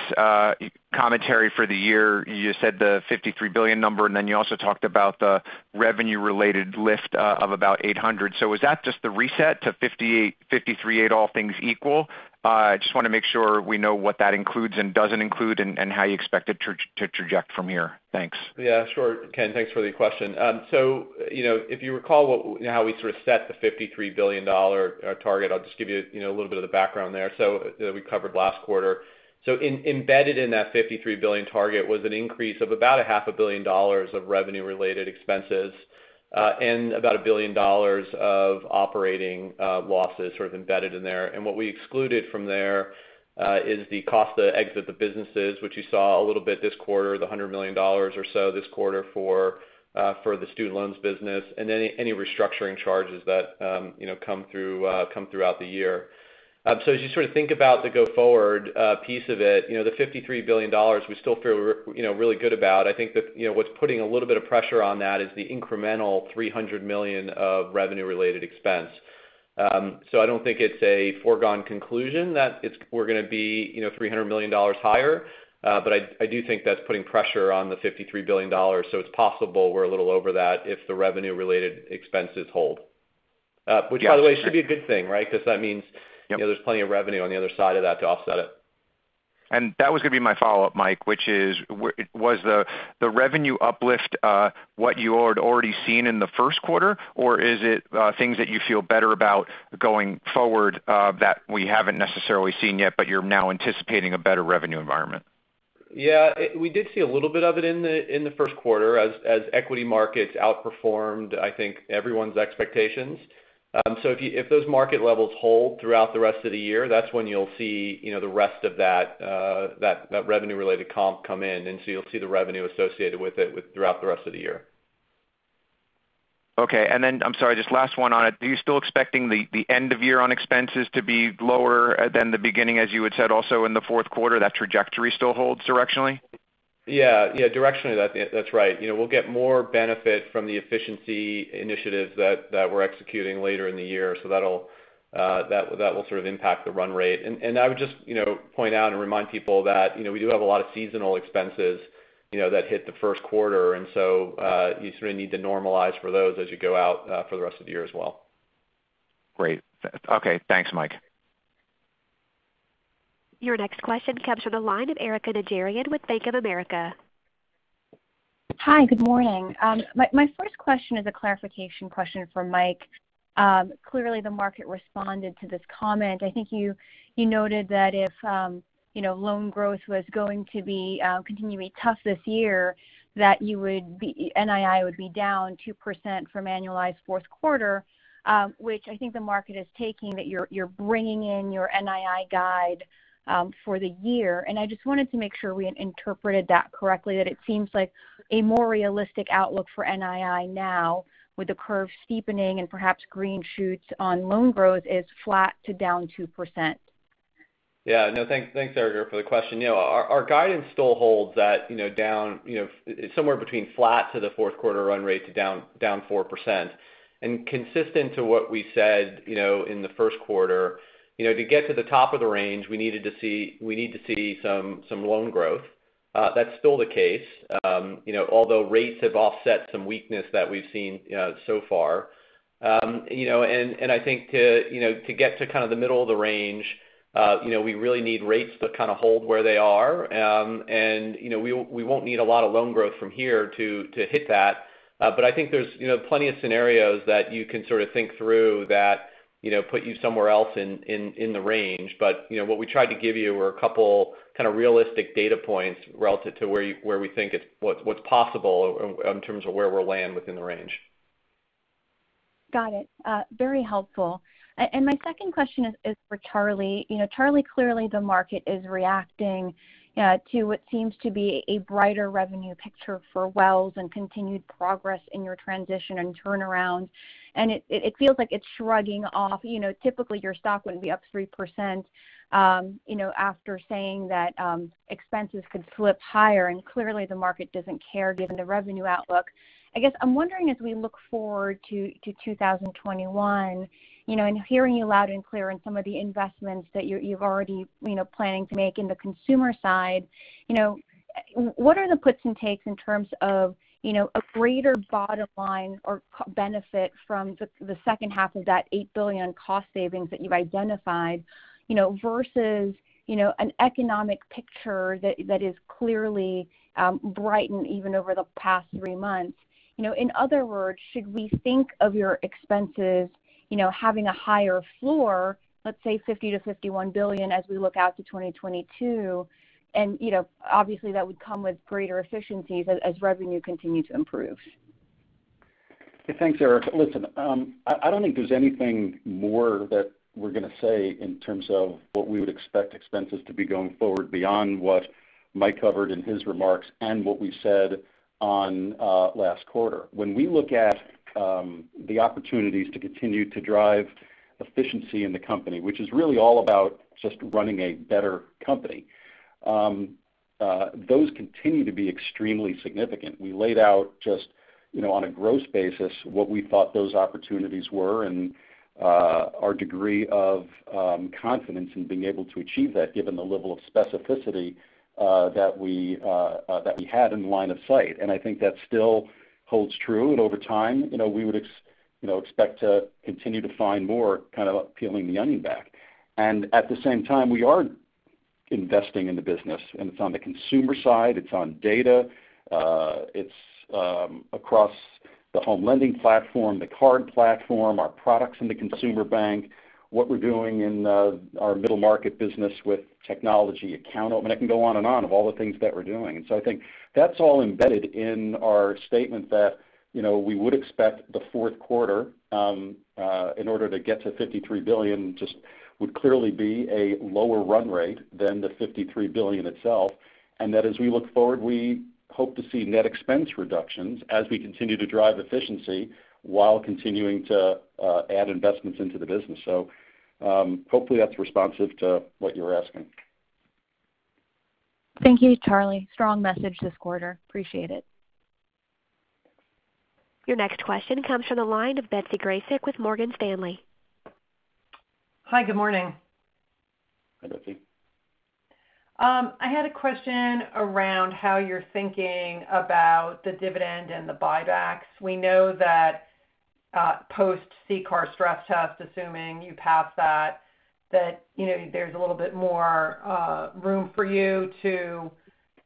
commentary for the year. You said the $53 billion number, and then you also talked about the revenue-related lift of about $800 million. Was that just the reset to $53.8 billion all things equal? Just want to make sure we know what that includes and doesn't include and how you expect it to traject from here. Thanks. Yeah, sure. Ken, thanks for the question. If you recall how we sort of set the $53 billion target, I'll just give you a little bit of the background there that we covered last quarter. Embedded in that $53 billion target was an increase of about $0.5 billion of revenue-related expenses and about $1 billion of operating losses sort of embedded in there. And what we excluded from there is the cost to exit the businesses, which you saw a little bit this quarter, the $100 million or so this quarter for the student loans business and any restructuring charges that come throughout the year. As you sort of think about the go forward piece of it, the $53 billion we still feel really good about. I think that what's putting a little bit of pressure on that is the incremental $300 million of revenue-related expense. I don't think it's a foregone conclusion that we're going to be $300 million higher. I do think that's putting pressure on the $53 billion. It's possible we're a little over that if the revenue-related expenses hold. Which by the way, should be a good thing, right? Yep. There's plenty of revenue on the other side of that to offset it. That was going to be my follow-up, Mike, which is, was the revenue uplift what you had already seen in the first quarter, or is it things that you feel better about going forward that we haven't necessarily seen yet, but you're now anticipating a better revenue environment? Yeah. We did see a little bit of it in the first quarter as equity markets outperformed, I think, everyone's expectations. If those market levels hold throughout the rest of the year, that's when you'll see the rest of that revenue-related comp come in. You'll see the revenue associated with it throughout the rest of the year. Okay. I'm sorry, just last one on it. Are you still expecting the end of year on expenses to be lower than the beginning, as you had said also in the fourth quarter, that trajectory still holds directionally? Yeah. Directionally, that's right. We'll get more benefit from the efficiency initiatives that we're executing later in the year. That will sort of impact the run rate. I would just point out and remind people that we do have a lot of seasonal expenses that hit the first quarter. You sort of need to normalize for those as you go out for the rest of the year as well. Great. Okay, thanks, Mike. Your next question comes from the line of Erika Najarian with Bank of America. Hi, good morning. My first question is a clarification question for Mike. Clearly the market responded to this comment. I think you noted that if loan growth was going to continue to be tough this year, that NII would be down 2% from annualized fourth quarter, which I think the market is taking that you're bringing in your NII guide for the year. I just wanted to make sure we had interpreted that correctly, that it seems like a more realistic outlook for NII now with the curve steepening and perhaps green shoots on loan growth is flat to down 2%. Yeah. No, thanks, Erika, for the question. Our guidance still holds that down somewhere between flat to the fourth quarter run rate to down 4%. Consistent to what we said in the first quarter, to get to the top of the range, we need to see some loan growth. That's still the case. Although rates have offset some weakness that we've seen so far. I think to get to kind of the middle of the range, we really need rates to kind of hold where they are. We won't need a lot of loan growth from here to hit that. I think there's plenty of scenarios that you can sort of think through that put you somewhere else in the range. What we tried to give you were a couple kind of realistic data points relative to where we think what's possible in terms of where we'll land within the range. Got it. Very helpful. My second question is for Charlie. Charlie, clearly the market is reacting to what seems to be a brighter revenue picture for Wells and continued progress in your transition and turnaround. It feels like it's shrugging off. Typically your stock wouldn't be up 3% after saying that expenses could slip higher, and clearly the market doesn't care given the revenue outlook. I guess I'm wondering, as we look forward to 2021, and hearing you loud and clear on some of the investments that you're already planning to make in the consumer side, what are the puts and takes in terms of a greater bottom line or benefit from the second half of that $8 billion cost savings that you've identified versus an economic picture that is clearly brightened even over the past three months? In other words, should we think of your expenses having a higher floor, let's say $50 billion-$51 billion as we look out to 2022? Obviously that would come with greater efficiencies as revenue continue to improve. Thanks, Erika. Listen, I don't think there's anything more that we're going to say in terms of what we would expect expenses to be going forward beyond what Mike covered in his remarks and what we said on last quarter. When we look at the opportunities to continue to drive efficiency in the company, which is really all about just running a better company, those continue to be extremely significant. We laid out just on a gross basis what we thought those opportunities were and our degree of confidence in being able to achieve that given the level of specificity that we had in the line of sight. I think that still holds true, and over time, we would expect to continue to find more kind of peeling the onion back. At the same time, we are investing in the business, and it's on the consumer side, it's on data, it's across the home lending platform, the card platform, our products in the consumer bank, what we're doing in our middle market business with technology account open. I can go on and on of all the things that we're doing. I think that's all embedded in our statement that we would expect the fourth quarter in order to get to $53 billion just would clearly be a lower run rate than the $53 billion itself. As we look forward, we hope to see net expense reductions as we continue to drive efficiency while continuing to add investments into the business. Hopefully that's responsive to what you were asking. Thank you, Charlie. Strong message this quarter. Appreciate it. Your next question comes from the line of Betsy Graseck with Morgan Stanley. Hi, good morning. Hi, Betsy. I had a question around how you're thinking about the dividend and the buybacks. We know that post CCAR stress test, assuming you pass that there's a little bit more room for you to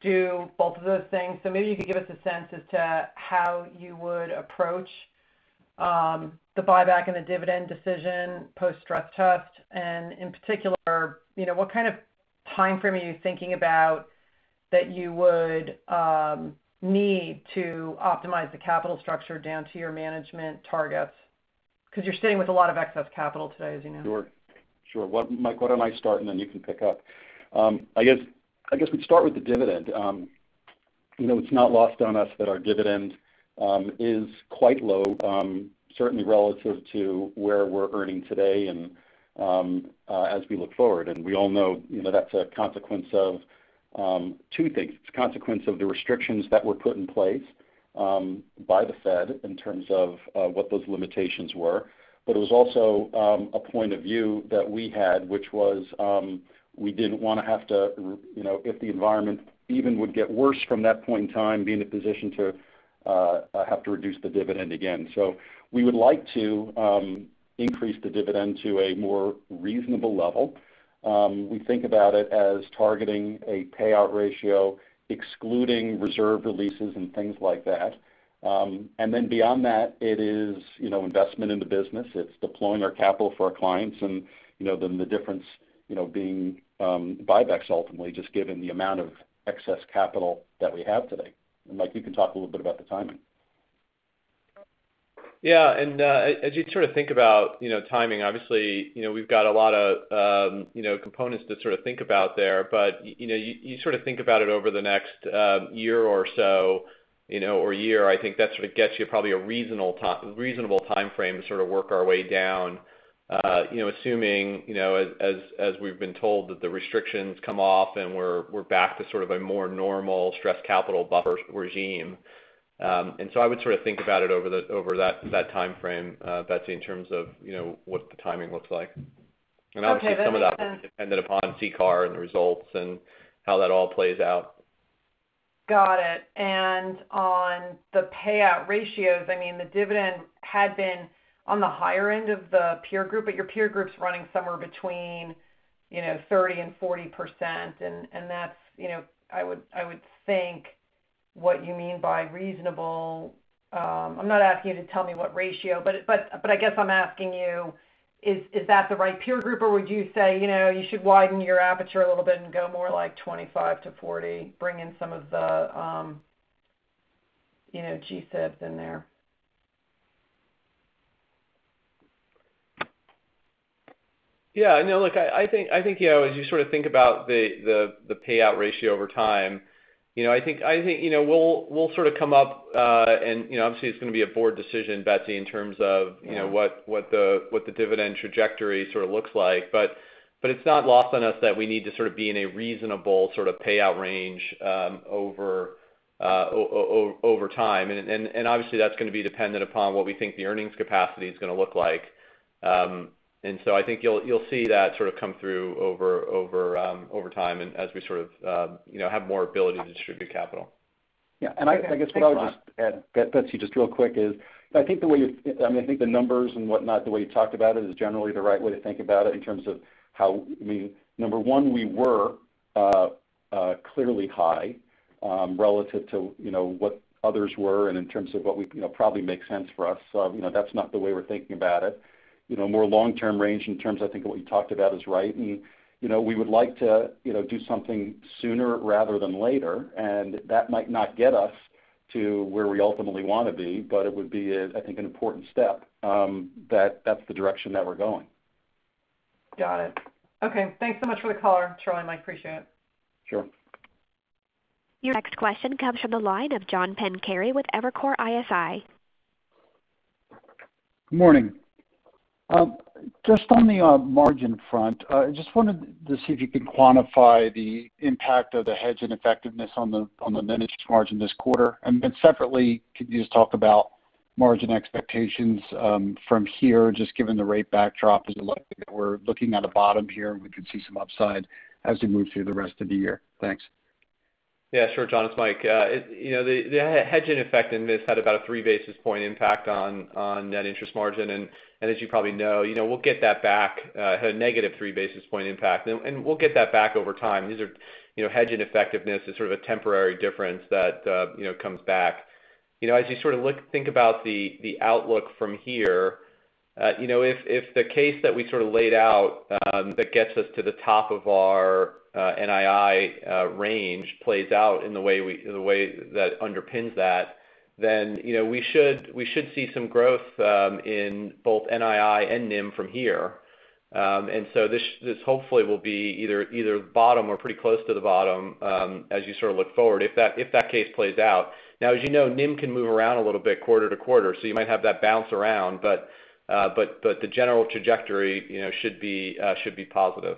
do both of those things. Maybe you could give us a sense as to how you would approach the buyback and the dividend decision post-stress test. In particular, what kind of timeframe are you thinking about that you would need to optimize the capital structure down to your management targets? Because you're sitting with a lot of excess capital today, as you know. Sure. Mike, why don't I start, and then you can pick up. I guess we'd start with the dividend. It's not lost on us that our dividend is quite low, certainly relative to where we're earning today and as we look forward. We all know that's a consequence of two things. It's a consequence of the restrictions that were put in place by the Fed in terms of what those limitations were. It was also a point of view that we had, which was we didn't want to have to, if the environment even would get worse from that point in time, be in a position to have to reduce the dividend again. We would like to increase the dividend to a more reasonable level. We think about it as targeting a payout ratio, excluding reserve releases and things like that. Beyond that, it is investment in the business. It's deploying our capital for our clients, and then the difference being buybacks ultimately, just given the amount of excess capital that we have today. Mike, you can talk a little bit about the timing. Yeah. As you think about timing, obviously, we've got a lot of components to think about there, but you think about it over the next year or so, or year, I think that gets you probably a reasonable timeframe to work our way down. Assuming, as we've been told, that the restrictions come off and we're back to a more normal stress capital buffer regime. I would think about it over that timeframe, Betsy, in terms of what the timing looks like. Okay. Obviously some of that will be dependent upon CCAR and the results and how that all plays out. Got it. On the payout ratios, the dividend had been on the higher end of the peer group, your peer group's running somewhere between 30% and 40%. That's, I would think what you mean by reasonable. I'm not asking you to tell me what ratio, but I guess I'm asking you, is that the right peer group or would you say you should widen your aperture a little bit and go more like 25%-40%, bring in some of the G-SIBs in there? I think as you think about the payout ratio over time, I think we'll come up, and obviously it's going to be a board decision, Betsy, in terms of what the dividend trajectory looks like. It's not lost on us that we need to be in a reasonable payout range over time. Obviously that's going to be dependent upon what we think the earnings capacity is going to look like. I think you'll see that come through over time and as we have more ability to distribute capital. Okay. Thanks a lot. Yeah, I guess what I would just add, Betsy, just real quick is I think the numbers and whatnot, the way you talked about it is generally the right way to think about it in terms of how, number one, we were clearly high relative to what others were and in terms of what would probably make sense for us. That's not the way we're thinking about it. More long-term range in terms I think of what you talked about is right, we would like to do something sooner rather than later. That might not get us to where we ultimately want to be, but it would be, I think, an important step. That's the direction that we're going. Got it. Okay. Thanks so much for the color, Charlie and Mike. Appreciate it. Sure. Your next question comes from the line of John Pancari with Evercore ISI. Morning. Just on the margin front, I just wanted to see if you could quantify the impact of the hedge ineffectiveness on the managed margin this quarter. Separately, could you just talk about margin expectations from here, just given the rate backdrop? Is it likely that we're looking at a bottom here and we could see some upside as we move through the rest of the year? Thanks. Yeah, sure, John, it's Mike. The hedge ineffectiveness had about a three basis point impact on net interest margin. As you probably know, we'll get that back, a -3 basis point impact. We'll get that back over time. These are hedge ineffectiveness is sort of a temporary difference that comes back. As you think about the outlook from here, if the case that we laid out that gets us to the top of our NII range plays out in the way that underpins that, then we should see some growth in both NII and NIM from here. This hopefully will be either bottom or pretty close to the bottom as you look forward, if that case plays out. Now, as you know, NIM can move around a little bit quarter to quarter, so you might have that bounce around, but the general trajectory should be positive.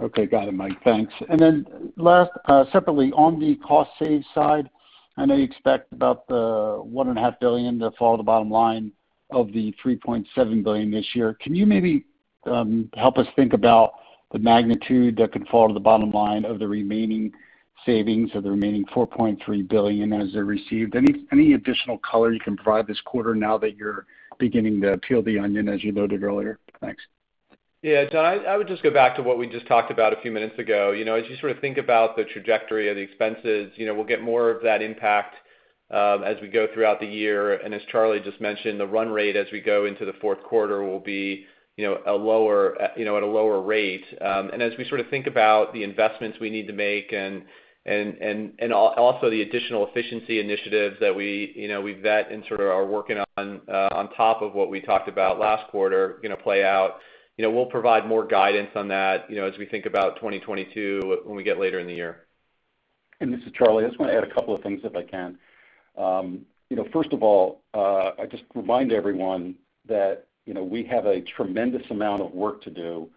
Okay. Got it, Mike. Thanks. Then last, separately, on the cost save side, I know you expect about the $1.5 billion to fall to the bottom line of the $3.7 billion this year. Can you maybe help us think about the magnitude that could fall to the bottom line of the remaining savings of the remaining $4.3 billion as they're received? Any additional color you can provide this quarter now that you're beginning to peel the onion as you noted earlier? Thanks. John, I would just go back to what we just talked about a few minutes ago. As you think about the trajectory of the expenses, we'll get more of that impact as we go throughout the year. As Charlie just mentioned, the run rate as we go into the fourth quarter will be at a lower rate. As we think about the investments we need to make, and also the additional efficiency initiatives that we vet and are working on top of what we talked about last quarter play out, we'll provide more guidance on that as we think about 2022 when we get later in the year. This is Charlie. I just want to add a couple of things if I can. First of all, I just remind everyone that we have a tremendous amount of work to do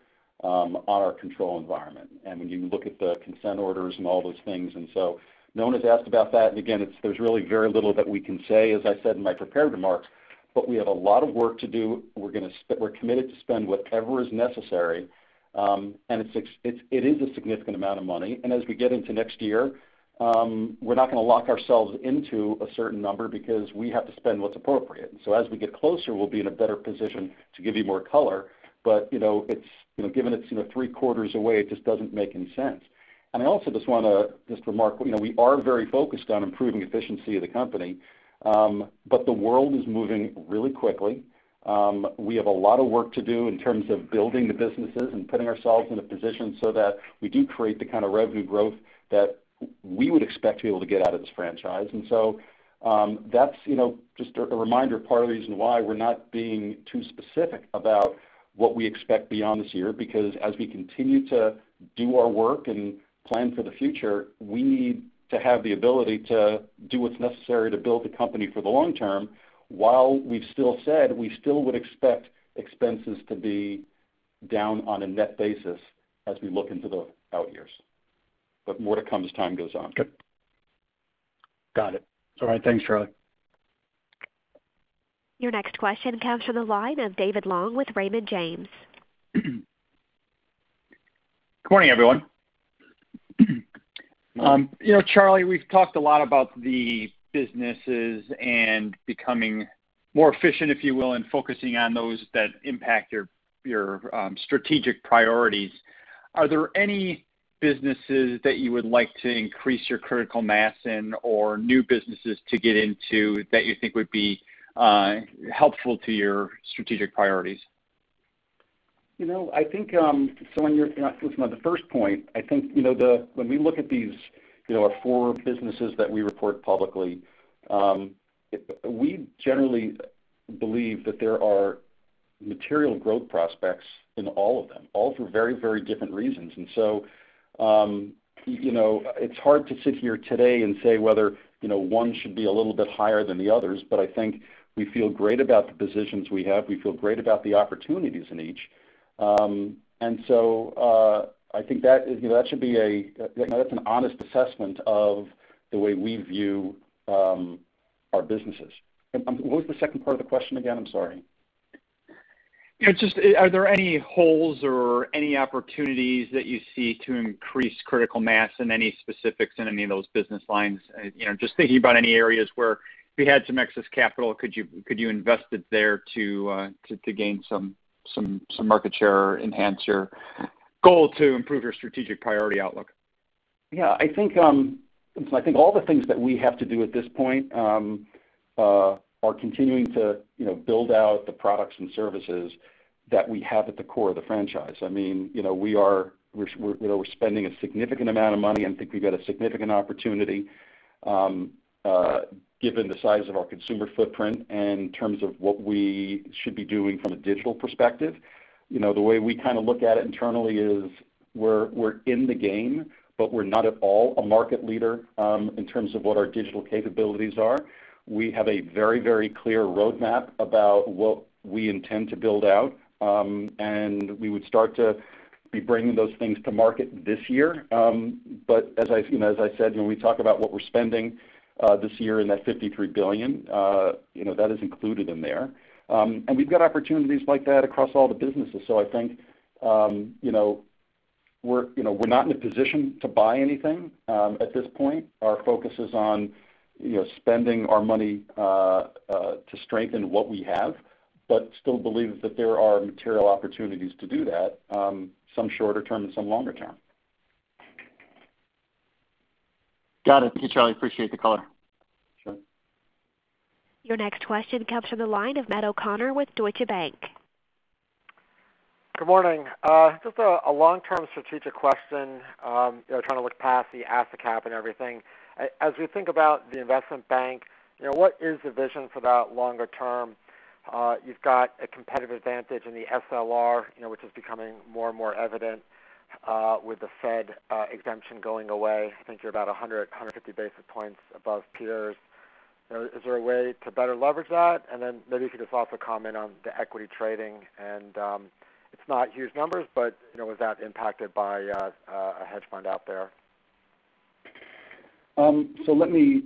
on our control environment, and when you look at the consent orders and all those things. No one has asked about that, and again, there's really very little that we can say, as I said in my prepared remarks. We have a lot of work to do. We're committed to spend whatever is necessary. It is a significant amount of money. As we get into next year, we're not going to lock ourselves into a certain number because we have to spend what's appropriate. As we get closer, we'll be in a better position to give you more color. Given it's three quarters away, it just doesn't make any sense. I also just want to just remark, we are very focused on improving efficiency of the company. The world is moving really quickly. We have a lot of work to do in terms of building the businesses and putting ourselves in a position so that we do create the kind of revenue growth that we would expect to be able to get out of this franchise. That's just a reminder, part of the reason why we're not being too specific about what we expect beyond this year, because as we continue to do our work and plan for the future, we need to have the ability to do what's necessary to build the company for the long term, while we've still said we still would expect expenses to be down on a net basis as we look into the out years. More to come as time goes on. Okay. Got it. All right. Thanks, Charlie. Your next question comes from the line of David Long with Raymond James. Good morning, everyone. Charlie, we've talked a lot about the businesses and becoming more efficient, if you will, and focusing on those that impact your strategic priorities. Are there any businesses that you would like to increase your critical mass in, or new businesses to get into that you think would be helpful to your strategic priorities? On the first point, I think when we look at these, our four businesses that we report publicly, we generally believe that there are material growth prospects in all of them, all for very different reasons. It's hard to sit here today and say whether one should be a little bit higher than the others, but I think we feel great about the positions we have. We feel great about the opportunities in each. I think that's an honest assessment of the way we view our businesses. What was the second part of the question again? I'm sorry. Are there any holes or any opportunities that you see to increase critical mass in any specifics in any of those business lines? Just thinking about any areas where if we had some excess capital, could you invest it there to gain some market share or enhance your goal to improve your strategic priority outlook? Yeah. I think all the things that we have to do at this point are continuing to build out the products and services that we have at the core of the franchise. We're spending a significant amount of money, and I think we've got a significant opportunity given the size of our consumer footprint in terms of what we should be doing from a digital perspective. The way we look at it internally is we're in the game, but we're not at all a market leader in terms of what our digital capabilities are. We have a very clear roadmap about what we intend to build out. We would start to be bringing those things to market this year. As I said, when we talk about what we're spending this year in that $53 billion, that is included in there. We've got opportunities like that across all the businesses. I think we're not in a position to buy anything at this point. Our focus is on spending our money to strengthen what we have, but still believe that there are material opportunities to do that, some shorter term and some longer term. Got it. Thank you, Charlie. Appreciate the color. Sure. Your next question comes from the line of Matt O'Connor with Deutsche Bank. Good morning. Just a long-term strategic question, trying to look past the asset cap and everything. As we think about the investment bank, what is the vision for that longer term? You've got a competitive advantage in the SLR, which is becoming more and more evident with the Fed exemption going away. I think you're about 100, 150 basis points above peers. Is there a way to better leverage that? Maybe if you could just also comment on the equity trading, and it's not huge numbers, but was that impacted by a hedge fund out there? Let me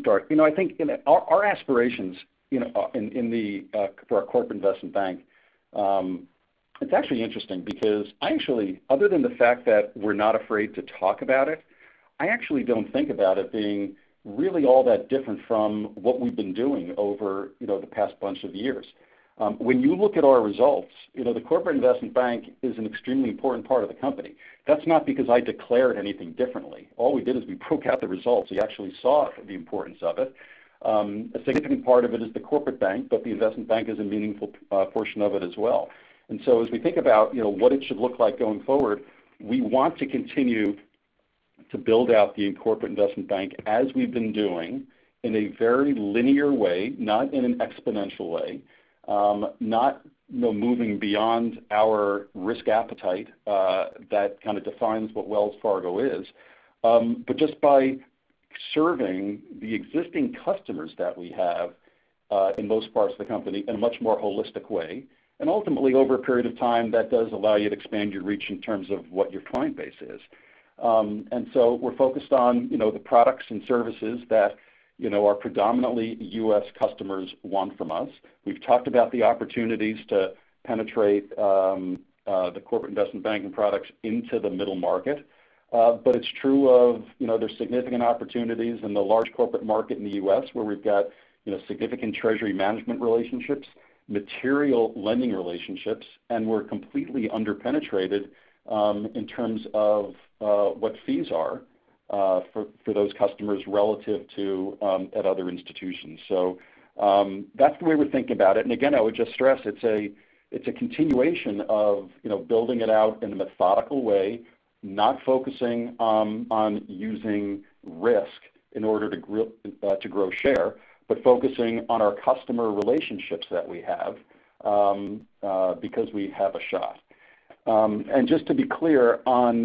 start. I think our aspirations for our corporate investment bank, it's actually interesting because other than the fact that we're not afraid to talk about it, I actually don't think about it being really all that different from what we've been doing over the past bunch of years. When you look at our results, the corporate investment bank is an extremely important part of the company. That's not because I declared anything differently. All we did is we broke out the results. We actually saw the importance of it. A significant part of it is the corporate bank, but the investment bank is a meaningful portion of it as well. As we think about what it should look like going forward, we want to continue to build out the corporate investment bank as we've been doing in a very linear way, not in an exponential way. Not moving beyond our risk appetite that kind of defines what Wells Fargo is. Just by serving the existing customers that we have in most parts of the company in a much more holistic way. Ultimately, over a period of time, that does allow you to expand your reach in terms of what your client base is. We're focused on the products and services that our predominantly U.S. customers want from us. We've talked about the opportunities to penetrate the corporate investment banking products into the middle market. It's true of there's significant opportunities in the large corporate market in the U.S. where we've got significant treasury management relationships, material lending relationships, and we're completely under-penetrated in terms of what fees are for those customers relative to at other institutions. That's the way we're thinking about it. Again, I would just stress it's a continuation of building it out in a methodical way, not focusing on using risk in order to grow share, but focusing on our customer relationships that we have because we have a shot. Just to be clear on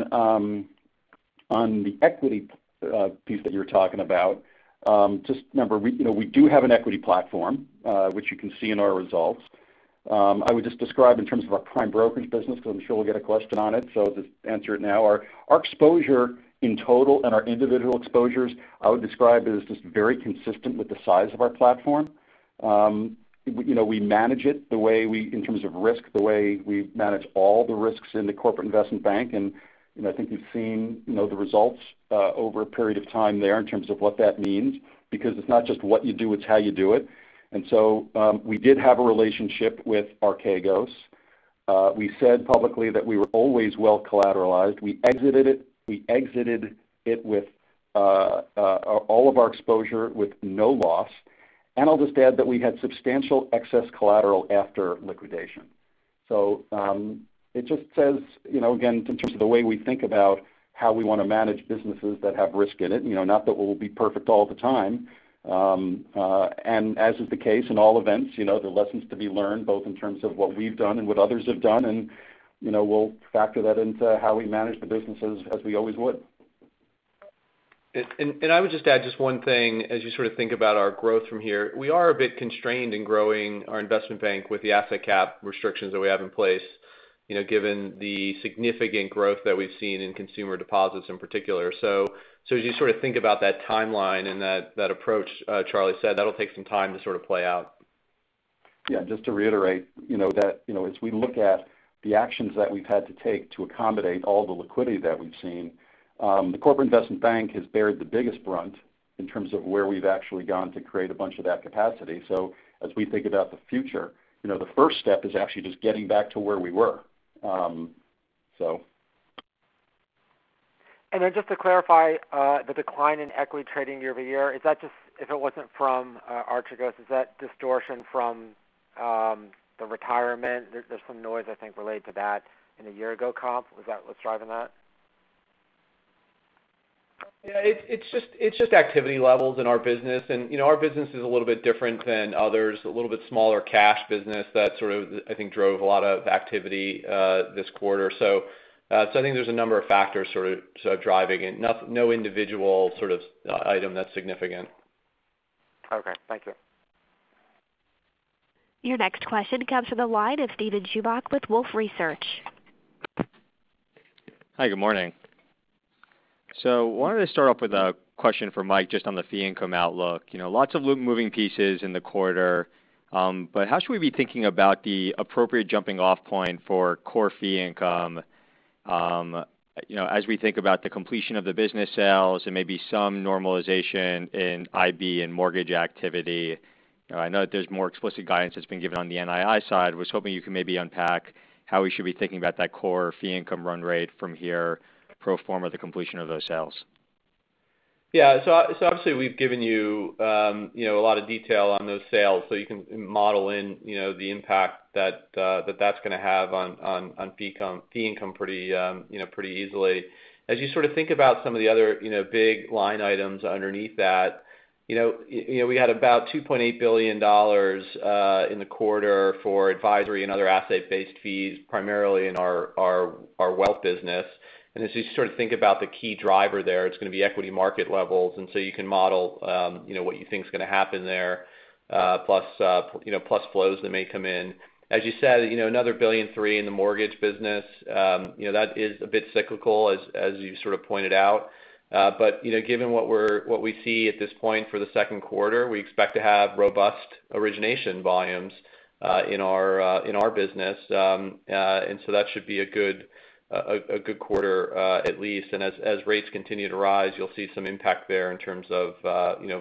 the equity piece that you're talking about, just remember, we do have an equity platform which you can see in our results. I would just describe in terms of our prime brokerage business because I'm sure we'll get a question on it, so I'll just answer it now. Our exposure in total and our individual exposures, I would describe it as just very consistent with the size of our platform. We manage it in terms of risk, the way we manage all the risks in the corporate investment bank. I think you've seen the results over a period of time there in terms of what that means, because it's not just what you do, it's how you do it. We did have a relationship with Archegos. We said publicly that we were always well collateralized. We exited it with all of our exposure with no loss. I'll just add that we had substantial excess collateral after liquidation. It just says, again, in terms of the way we think about how we want to manage businesses that have risk in it, not that we'll be perfect all the time. As is the case in all events, there are lessons to be learned both in terms of what we've done and what others have done. We'll factor that into how we manage the businesses as we always would. I would just add one thing as you sort of think about our growth from here. We are a bit constrained in growing our investment bank with the asset cap restrictions that we have in place, given the significant growth that we've seen in consumer deposits in particular. As you sort of think about that timeline and that approach Charlie said, that'll take some time to sort of play out. Yeah, just to reiterate, as we look at the actions that we've had to take to accommodate all the liquidity that we've seen, the corporate investment bank has beared the biggest brunt in terms of where we've actually gone to create a bunch of that capacity. As we think about the future, the first step is actually just getting back to where we were. Just to clarify, the decline in equity trading year-over-year, if it wasn't from Archegos, is that distortion from the retirement? There's some noise, I think, related to that in the year-ago comp. What's driving that? Yeah, it's just activity levels in our business. Our business is a little bit different than others, a little bit smaller cash business that sort of I think drove a lot of activity this quarter. I think there's a number of factors sort of driving it. No individual sort of item that's significant. Okay. Thank you. Your next question comes from the line of Steven Chubak with Wolfe Research. Hi. Good morning. I wanted to start off with a question for Mike just on the fee income outlook. Lots of moving pieces in the quarter, how should we be thinking about the appropriate jumping off point for core fee income as we think about the completion of the business sales and maybe some normalization in IB and mortgage activity? I know that there's more explicit guidance that's been given on the NII side. I was hoping you can maybe unpack how we should be thinking about that core fee income run rate from here, pro forma, the completion of those sales. Yeah. Obviously we've given you a lot of detail on those sales so you can model in the impact that's going to have on fee income pretty easily. As you sort of think about some of the other big line items underneath that, we had about $2.8 billion in the quarter for advisory and other asset-based fees, primarily in our wealth business. As you sort of think about the key driver there, it's going to be equity market levels. You can model what you think is going to happen there, plus flows that may come in. As you said, another $1.3 billion in the mortgage business. That is a bit cyclical, as you sort of pointed out. Given what we see at this point for the second quarter, we expect to have robust origination volumes in our business. That should be a good quarter at least. As rates continue to rise, you'll see some impact there in terms of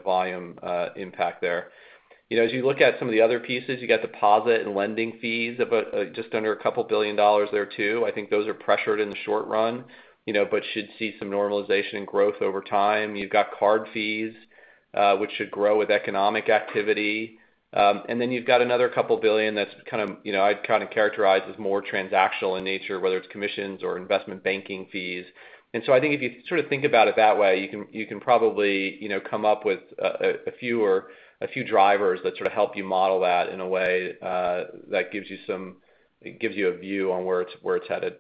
volume impact there. As you look at some of the other pieces, you got deposit and lending fees, just under a couple $1 billion there too. I think those are pressured in the short run but should see some normalization and growth over time. You've got card fees which should grow with economic activity. Then you've got another couple $1 billion that I'd kind of characterize as more transactional in nature, whether it's commissions or investment banking fees. I think if you sort of think about it that way, you can probably come up with a few drivers that sort of help you model that in a way that gives you a view on where it's headed.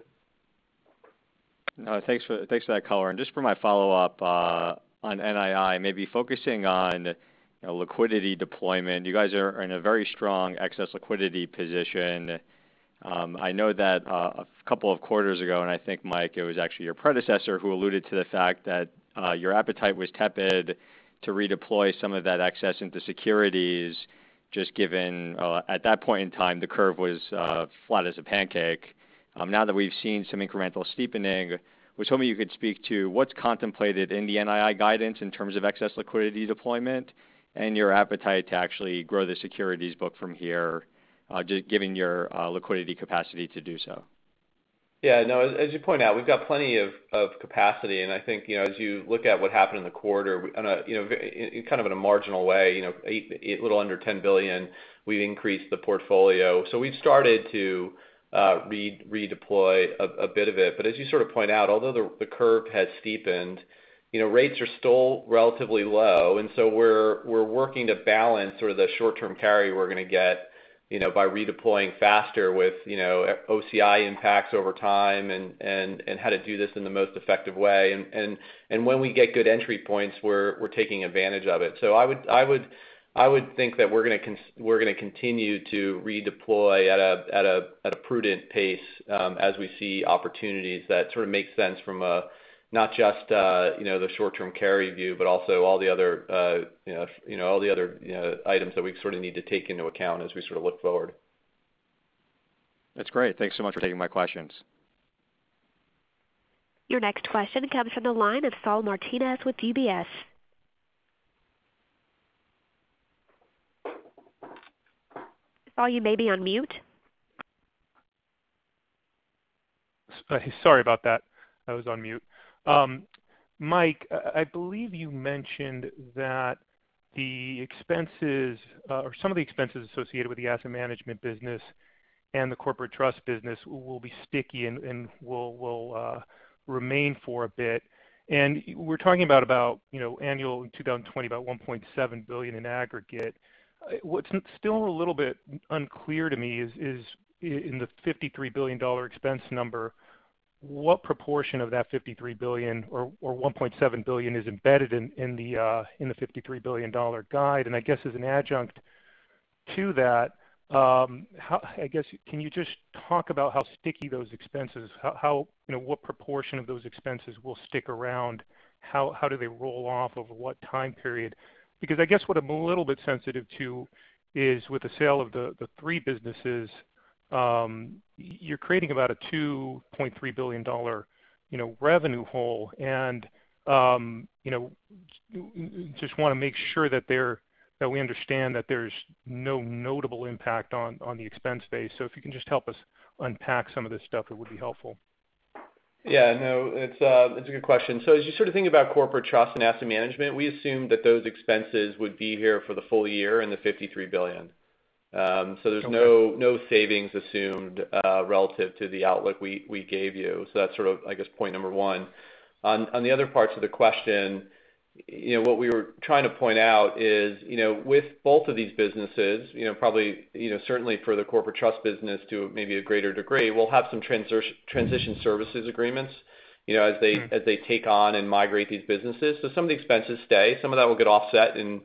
Thanks for that color. Just for my follow-up on NII, maybe focusing on liquidity deployment. You guys are in a very strong excess liquidity position. I know that a couple of quarters ago, and I think, Mike, it was actually your predecessor who alluded to the fact that your appetite was tepid to redeploy some of that excess into securities, just given at that point in time, the curve was flat as a pancake. Now that we've seen some incremental steepening, I was hoping you could speak to what's contemplated in the NII guidance in terms of excess liquidity deployment and your appetite to actually grow the securities book from here, given your liquidity capacity to do so. Yeah. No, as you point out, we've got plenty of capacity. I think as you look at what happened in the quarter, kind of in a marginal way, a little under $10 billion, we increased the portfolio. We've started to redeploy a bit of it. As you sort of point out, although the curve has steepened, rates are still relatively low. We're working to balance sort of the short-term carry we're going to get by redeploying faster with OCI impacts over time and how to do this in the most effective way. When we get good entry points, we're taking advantage of it. I would think that we're going to continue to redeploy at a prudent pace as we see opportunities that sort of make sense from a not just the short-term carry view, but also all the other items that we sort of need to take into account as we sort of look forward. That's great. Thanks so much for taking my questions. Your next question comes from the line of Saul Martinez with UBS. Saul, you may be on mute. Sorry about that. I was on mute. Mike, I believe you mentioned that the expenses, or some of the expenses associated with the asset management business and the corporate trust business will be sticky and will remain for a bit. We're talking about annual in 2020, about $1.7 billion in aggregate. What's still a little bit unclear to me is in the $53 billion expense number, what proportion of that $53 billion or $1.7 billion is embedded in the $53 billion guide? I guess as an adjunct to that, can you just talk about how sticky those expenses, what proportion of those expenses will stick around? How do they roll off? Over what time period? I guess what I'm a little bit sensitive to is with the sale of the three businesses, you're creating about a $2.3 billion revenue hole, and just want to make sure that we understand that there's no notable impact on the expense base. If you can just help us unpack some of this stuff, it would be helpful. No, it's a good question. As you sort of think about corporate trust and asset management, we assume that those expenses would be here for the full year in the $53 billion. There's no savings assumed relative to the outlook we gave you. That's sort of I guess point number one. On the other parts of the question, what we were trying to point out is with both of these businesses, certainly for the corporate trust business to maybe a greater degree, we'll have some transition services agreements as they take on and migrate these businesses. Some of the expenses stay. Some of that will get offset in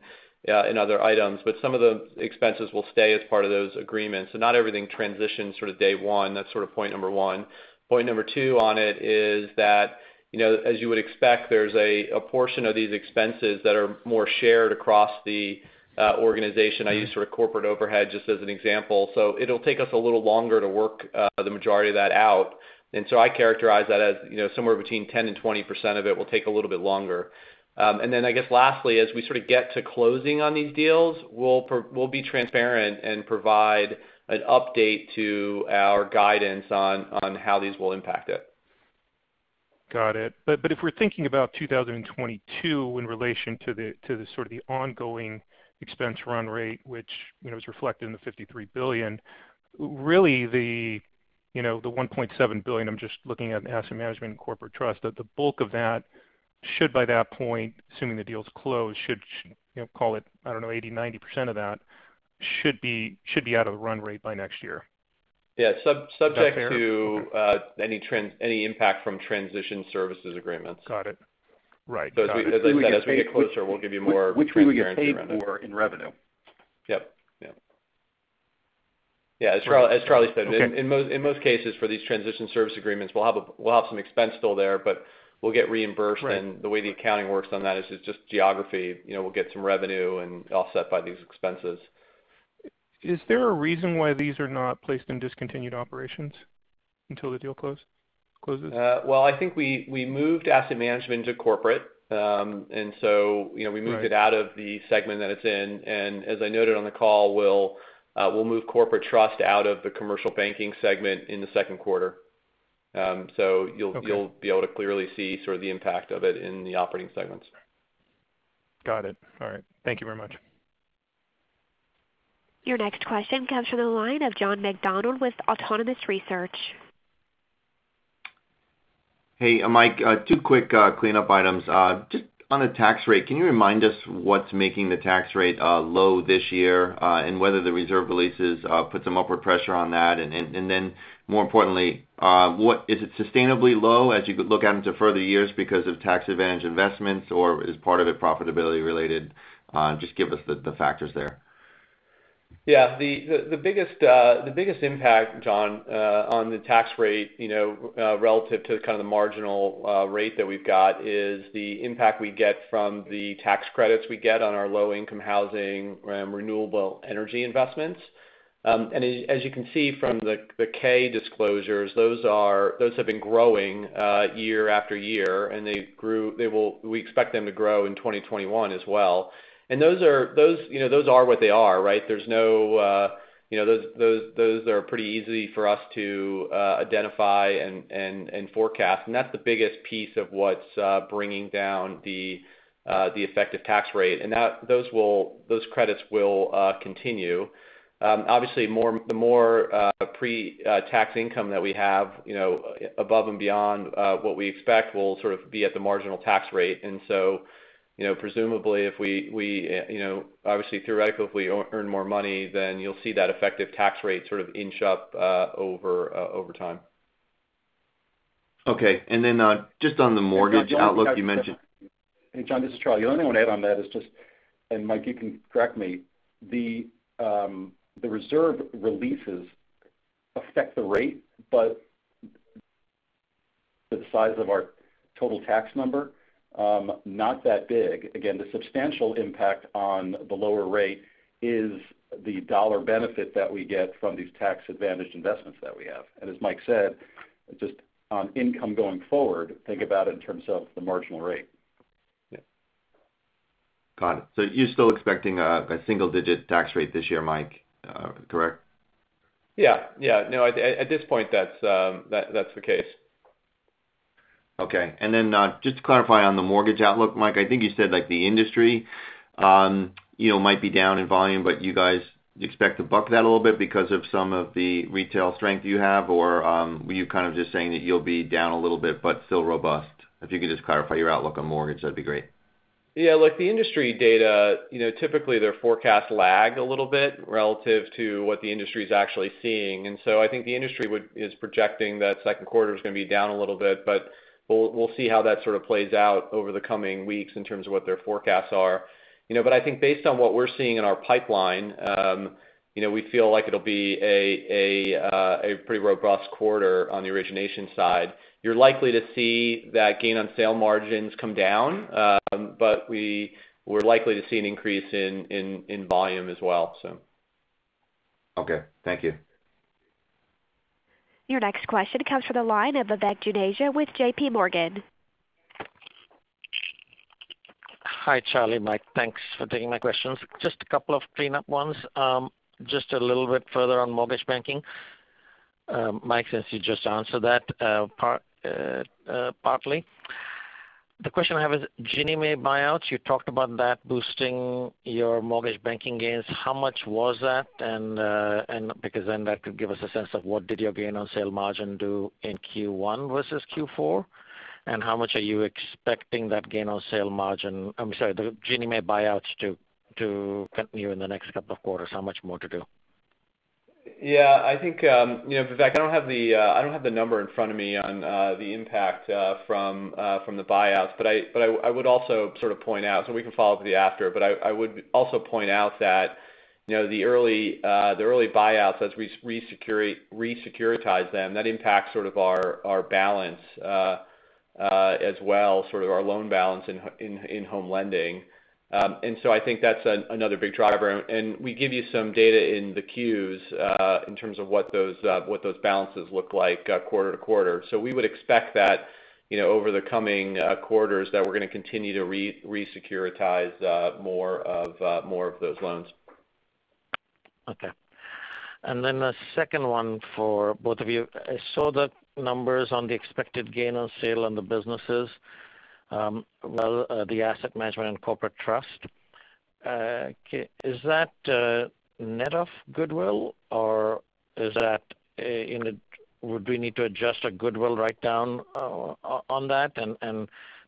other items, but some of the expenses will stay as part of those agreements. Not everything transitions sort of day one. That's sort of point number one. Point number two on it is that, as you would expect, there's a portion of these expenses that are more shared across the organization. I used sort of corporate overhead just as an example. It'll take us a little longer to work the majority of that out. I characterize that as somewhere between 10% and 20% of it will take a little bit longer. I guess lastly, as we sort of get to closing on these deals, we'll be transparent and provide an update to our guidance on how these will impact it. Got it. If we're thinking about 2022 in relation to sort of the ongoing expense run rate, which is reflected in the $53 billion, really the $1.7 billion, I'm just looking at asset management and corporate trust, the bulk of that should by that point, assuming the deal's closed, call it, I don't know, 80%-90% of that should be out of the run rate by next year. Yeah. Subject to any impact from transition services agreements. Got it. Right. Got it. As I said, as we get closer, we'll give you more transparency around that. Which we get paid for in revenue. Yep. Yeah. As Charlie said, in most cases for these transition service agreements, we'll have some expense still there, but we'll get reimbursed. Right. The way the accounting works on that is it's just geography. We'll get some revenue and offset by these expenses. Is there a reason why these are not placed in discontinued operations until the deal closes? Well, I think we moved asset management to corporate. We moved it out of the segment that it's in. As I noted on the call, we'll move corporate trust out of the commercial banking segment in the second quarter. Okay. You'll be able to clearly see sort of the impact of it in the operating segments. Got it. All right. Thank you very much. Your next question comes from the line of John McDonald with Autonomous Research. Hey, Mike. Two quick cleanup items. Just on a tax rate, can you remind us what's making the tax rate low this year, and whether the reserve releases put some upward pressure on that? More importantly, is it sustainably low as you look out into further years because of tax advantage investments, or is part of it profitability related? Just give us the factors there. Yeah. The biggest impact, John, on the tax rate relative to kind of the marginal rate that we've got is the impact we get from the tax credits we get on our low income housing and renewable energy investments. As you can see from the K disclosures, those have been growing year after year, and we expect them to grow in 2021 as well. Those are what they are, right? Those are pretty easy for us to identify and forecast. That's the biggest piece of what's bringing down the effective tax rate. Those credits will continue. Obviously, the more pre-tax income that we have above and beyond what we expect will sort of be at the marginal tax rate. Presumably, obviously, theoretically, if we earn more money, then you'll see that effective tax rate sort of inch up over time. Okay. Just on the mortgage outlook you mentioned. Hey, John, this is Charlie. The only thing I want to add on that is just, and Mike, you can correct me, the reserve releases affect the rate, but the size of our total tax number, not that big. Again, the substantial impact on the lower rate is the dollar benefit that we get from these tax-advantaged investments that we have. As Mike said, just on income going forward, think about it in terms of the marginal rate. Got it. You're still expecting a single-digit tax rate this year, Mike, correct? Yeah. At this point, that's the case. Okay. Just to clarify on the mortgage outlook, Mike, I think you said the industry might be down in volume, but you guys expect to buck that a little bit because of some of the retail strength you have, or were you kind of just saying that you'll be down a little bit but still robust? If you could just clarify your outlook on mortgage, that would be great. Look, the industry data, typically their forecasts lag a little bit relative to what the industry's actually seeing. I think the industry is projecting that second quarter is going to be down a little bit. We'll see how that sort of plays out over the coming weeks in terms of what their forecasts are. I think based on what we're seeing in our pipeline, we feel like it'll be a pretty robust quarter on the origination side. You're likely to see that gain on sale margins come down. We're likely to see an increase in volume as well. Okay. Thank you. Your next question comes from the line of Vivek Juneja with JPMorgan. Hi, Charlie, Mike. Thanks for taking my questions. Just a couple of cleanup ones. Just a little bit further on mortgage banking. Mike, since you just answered that partly. The question I have is Ginnie Mae buyouts. You talked about that boosting your mortgage banking gains. How much was that? Then that could give us a sense of what did your gain on sale margin do in Q1 versus Q4, and how much are you expecting, I'm sorry, the Ginnie Mae buyouts to continue in the next couple of quarters? How much more to do? Yeah, I think, Vivek, I don't have the number in front of me on the impact from the buyouts, but I would also sort of point out so we can follow up with you after, but I would also point out that the early buyouts as we re-securitize them, that impacts sort of our balance as well, sort of our loan balance in home lending. I think that's another big driver. We give you some data in the Qs in terms of what those balances look like quarter to quarter. We would expect that over the coming quarters that we're going to continue to re-securitize more of those loans. Okay. A second one for both of you. I saw the numbers on the expected gain on sale on the businesses. Well, the asset management and corporate trust. Is that net of goodwill, or would we need to adjust a goodwill write-down on that?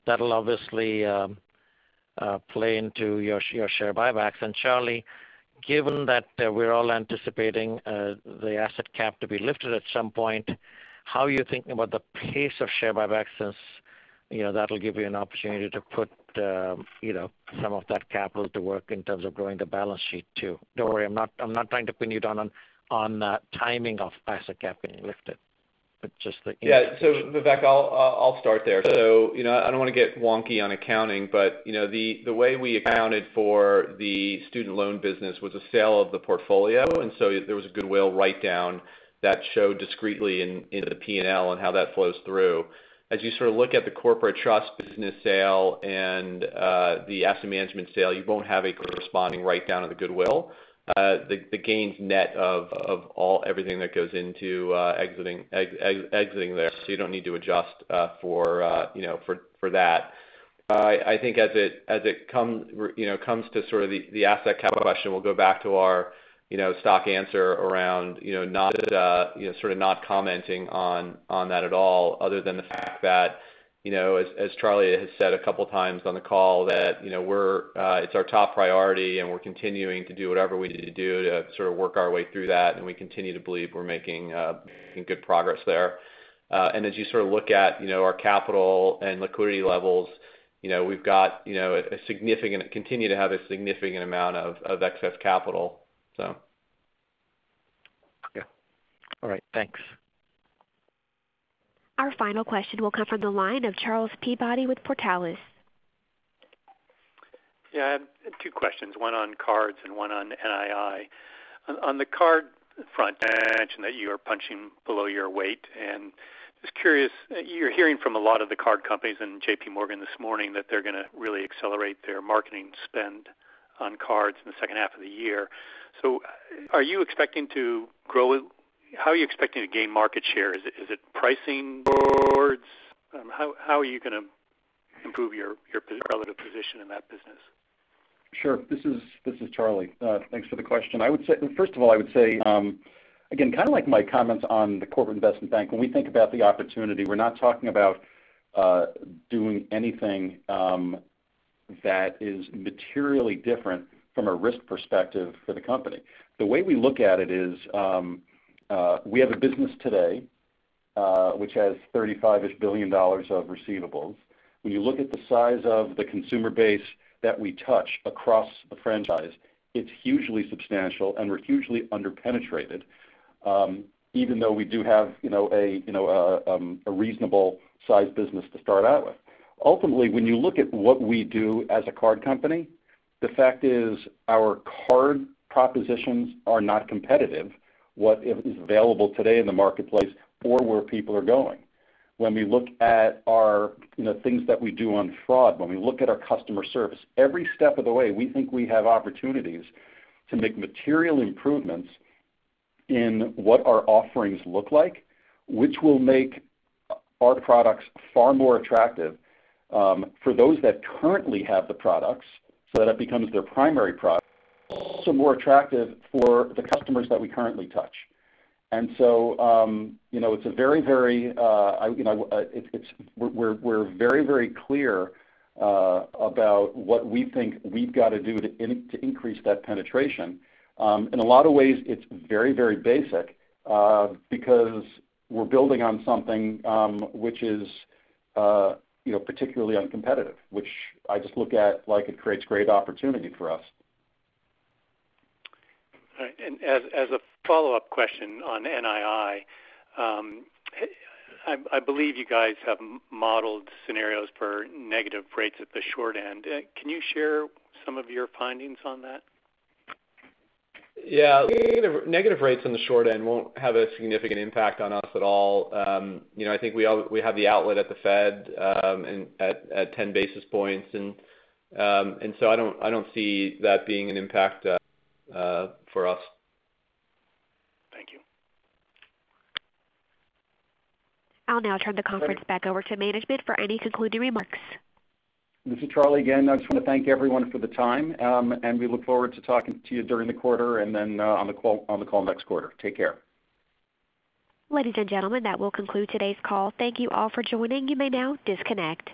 That'll obviously play into your share buybacks. Charlie, given that we're all anticipating the asset cap to be lifted at some point, how are you thinking about the pace of share buybacks since that'll give you an opportunity to put some of that capital to work in terms of growing the balance sheet, too? Don't worry, I'm not trying to pin you down on timing of asset cap being lifted, but just the interest. Yeah. Vivek, I'll start there. I don't want to get wonky on accounting, the way we accounted for the student loan business was a sale of the portfolio. There was a goodwill write-down that showed discretely in the P&L and how that flows through. As you sort of look at the corporate trust business sale and the asset management sale, you won't have a corresponding write-down of the goodwill. The gain's net of everything that goes into exiting there. You don't need to adjust for that. I think as it comes to sort of the asset cap question, we'll go back to our stock answer around sort of not commenting on that at all other than the fact that as Charlie has said a couple of times on the call that it's our top priority. We're continuing to do whatever we need to do to sort of work our way through that. We continue to believe we're making good progress there. As you sort of look at our capital and liquidity levels, we continue to have a significant amount of excess capital. Yeah. All right. Thanks. Our final question will come from the line of Charles Peabody with Portales. Yeah. Two questions, one on cards and one on NII. On the card front, I imagine that you are punching below your weight. Just curious, you're hearing from a lot of the card companies and JPMorgan this morning that they're going to really accelerate their marketing spend on cards in the second half of the year. How are you expecting to gain market share? Is it pricing wars? How are you going to improve your relative position in that business? Sure. This is Charlie. Thanks for the question. First of all, I would say, again, kind of like my comments on the corporate investment bank, when we think about the opportunity, we're not talking about doing anything that is materially different from a risk perspective for the company. The way we look at it is, we have a business today which has $35-ish billion of receivables. When you look at the size of the consumer base that we touch across the franchise, it's hugely substantial, and we're hugely under-penetrated, even though we do have a reasonable size business to start out with. Ultimately, when you look at what we do as a card company, the fact is our card propositions are not competitive, what is available today in the marketplace or where people are going. When we look at our things that we do on fraud, when we look at our customer service, every step of the way, we think we have opportunities to make material improvements in what our offerings look like, which will make our products far more attractive for those that currently have the products so that it becomes their primary product, but also more attractive for the customers that we currently touch. We're very clear about what we think we've got to do to increase that penetration. In a lot of ways, it's very basic, because we're building on something which is particularly uncompetitive, which I just look at like it creates great opportunity for us. All right. As a follow-up question on NII, I believe you guys have modeled scenarios for negative rates at the short end. Can you share some of your findings on that? Yeah. Negative rates on the short end won't have a significant impact on us at all. I think we have the outlet at the Fed at 10 basis points. I don't see that being an impact for us. Thank you. I'll now turn the conference back over to management for any concluding remarks. This is Charlie again. I just want to thank everyone for the time, and we look forward to talking to you during the quarter and then on the call next quarter. Take care. Ladies and gentlemen, that will conclude today's call. Thank you all for joining. You may now disconnect.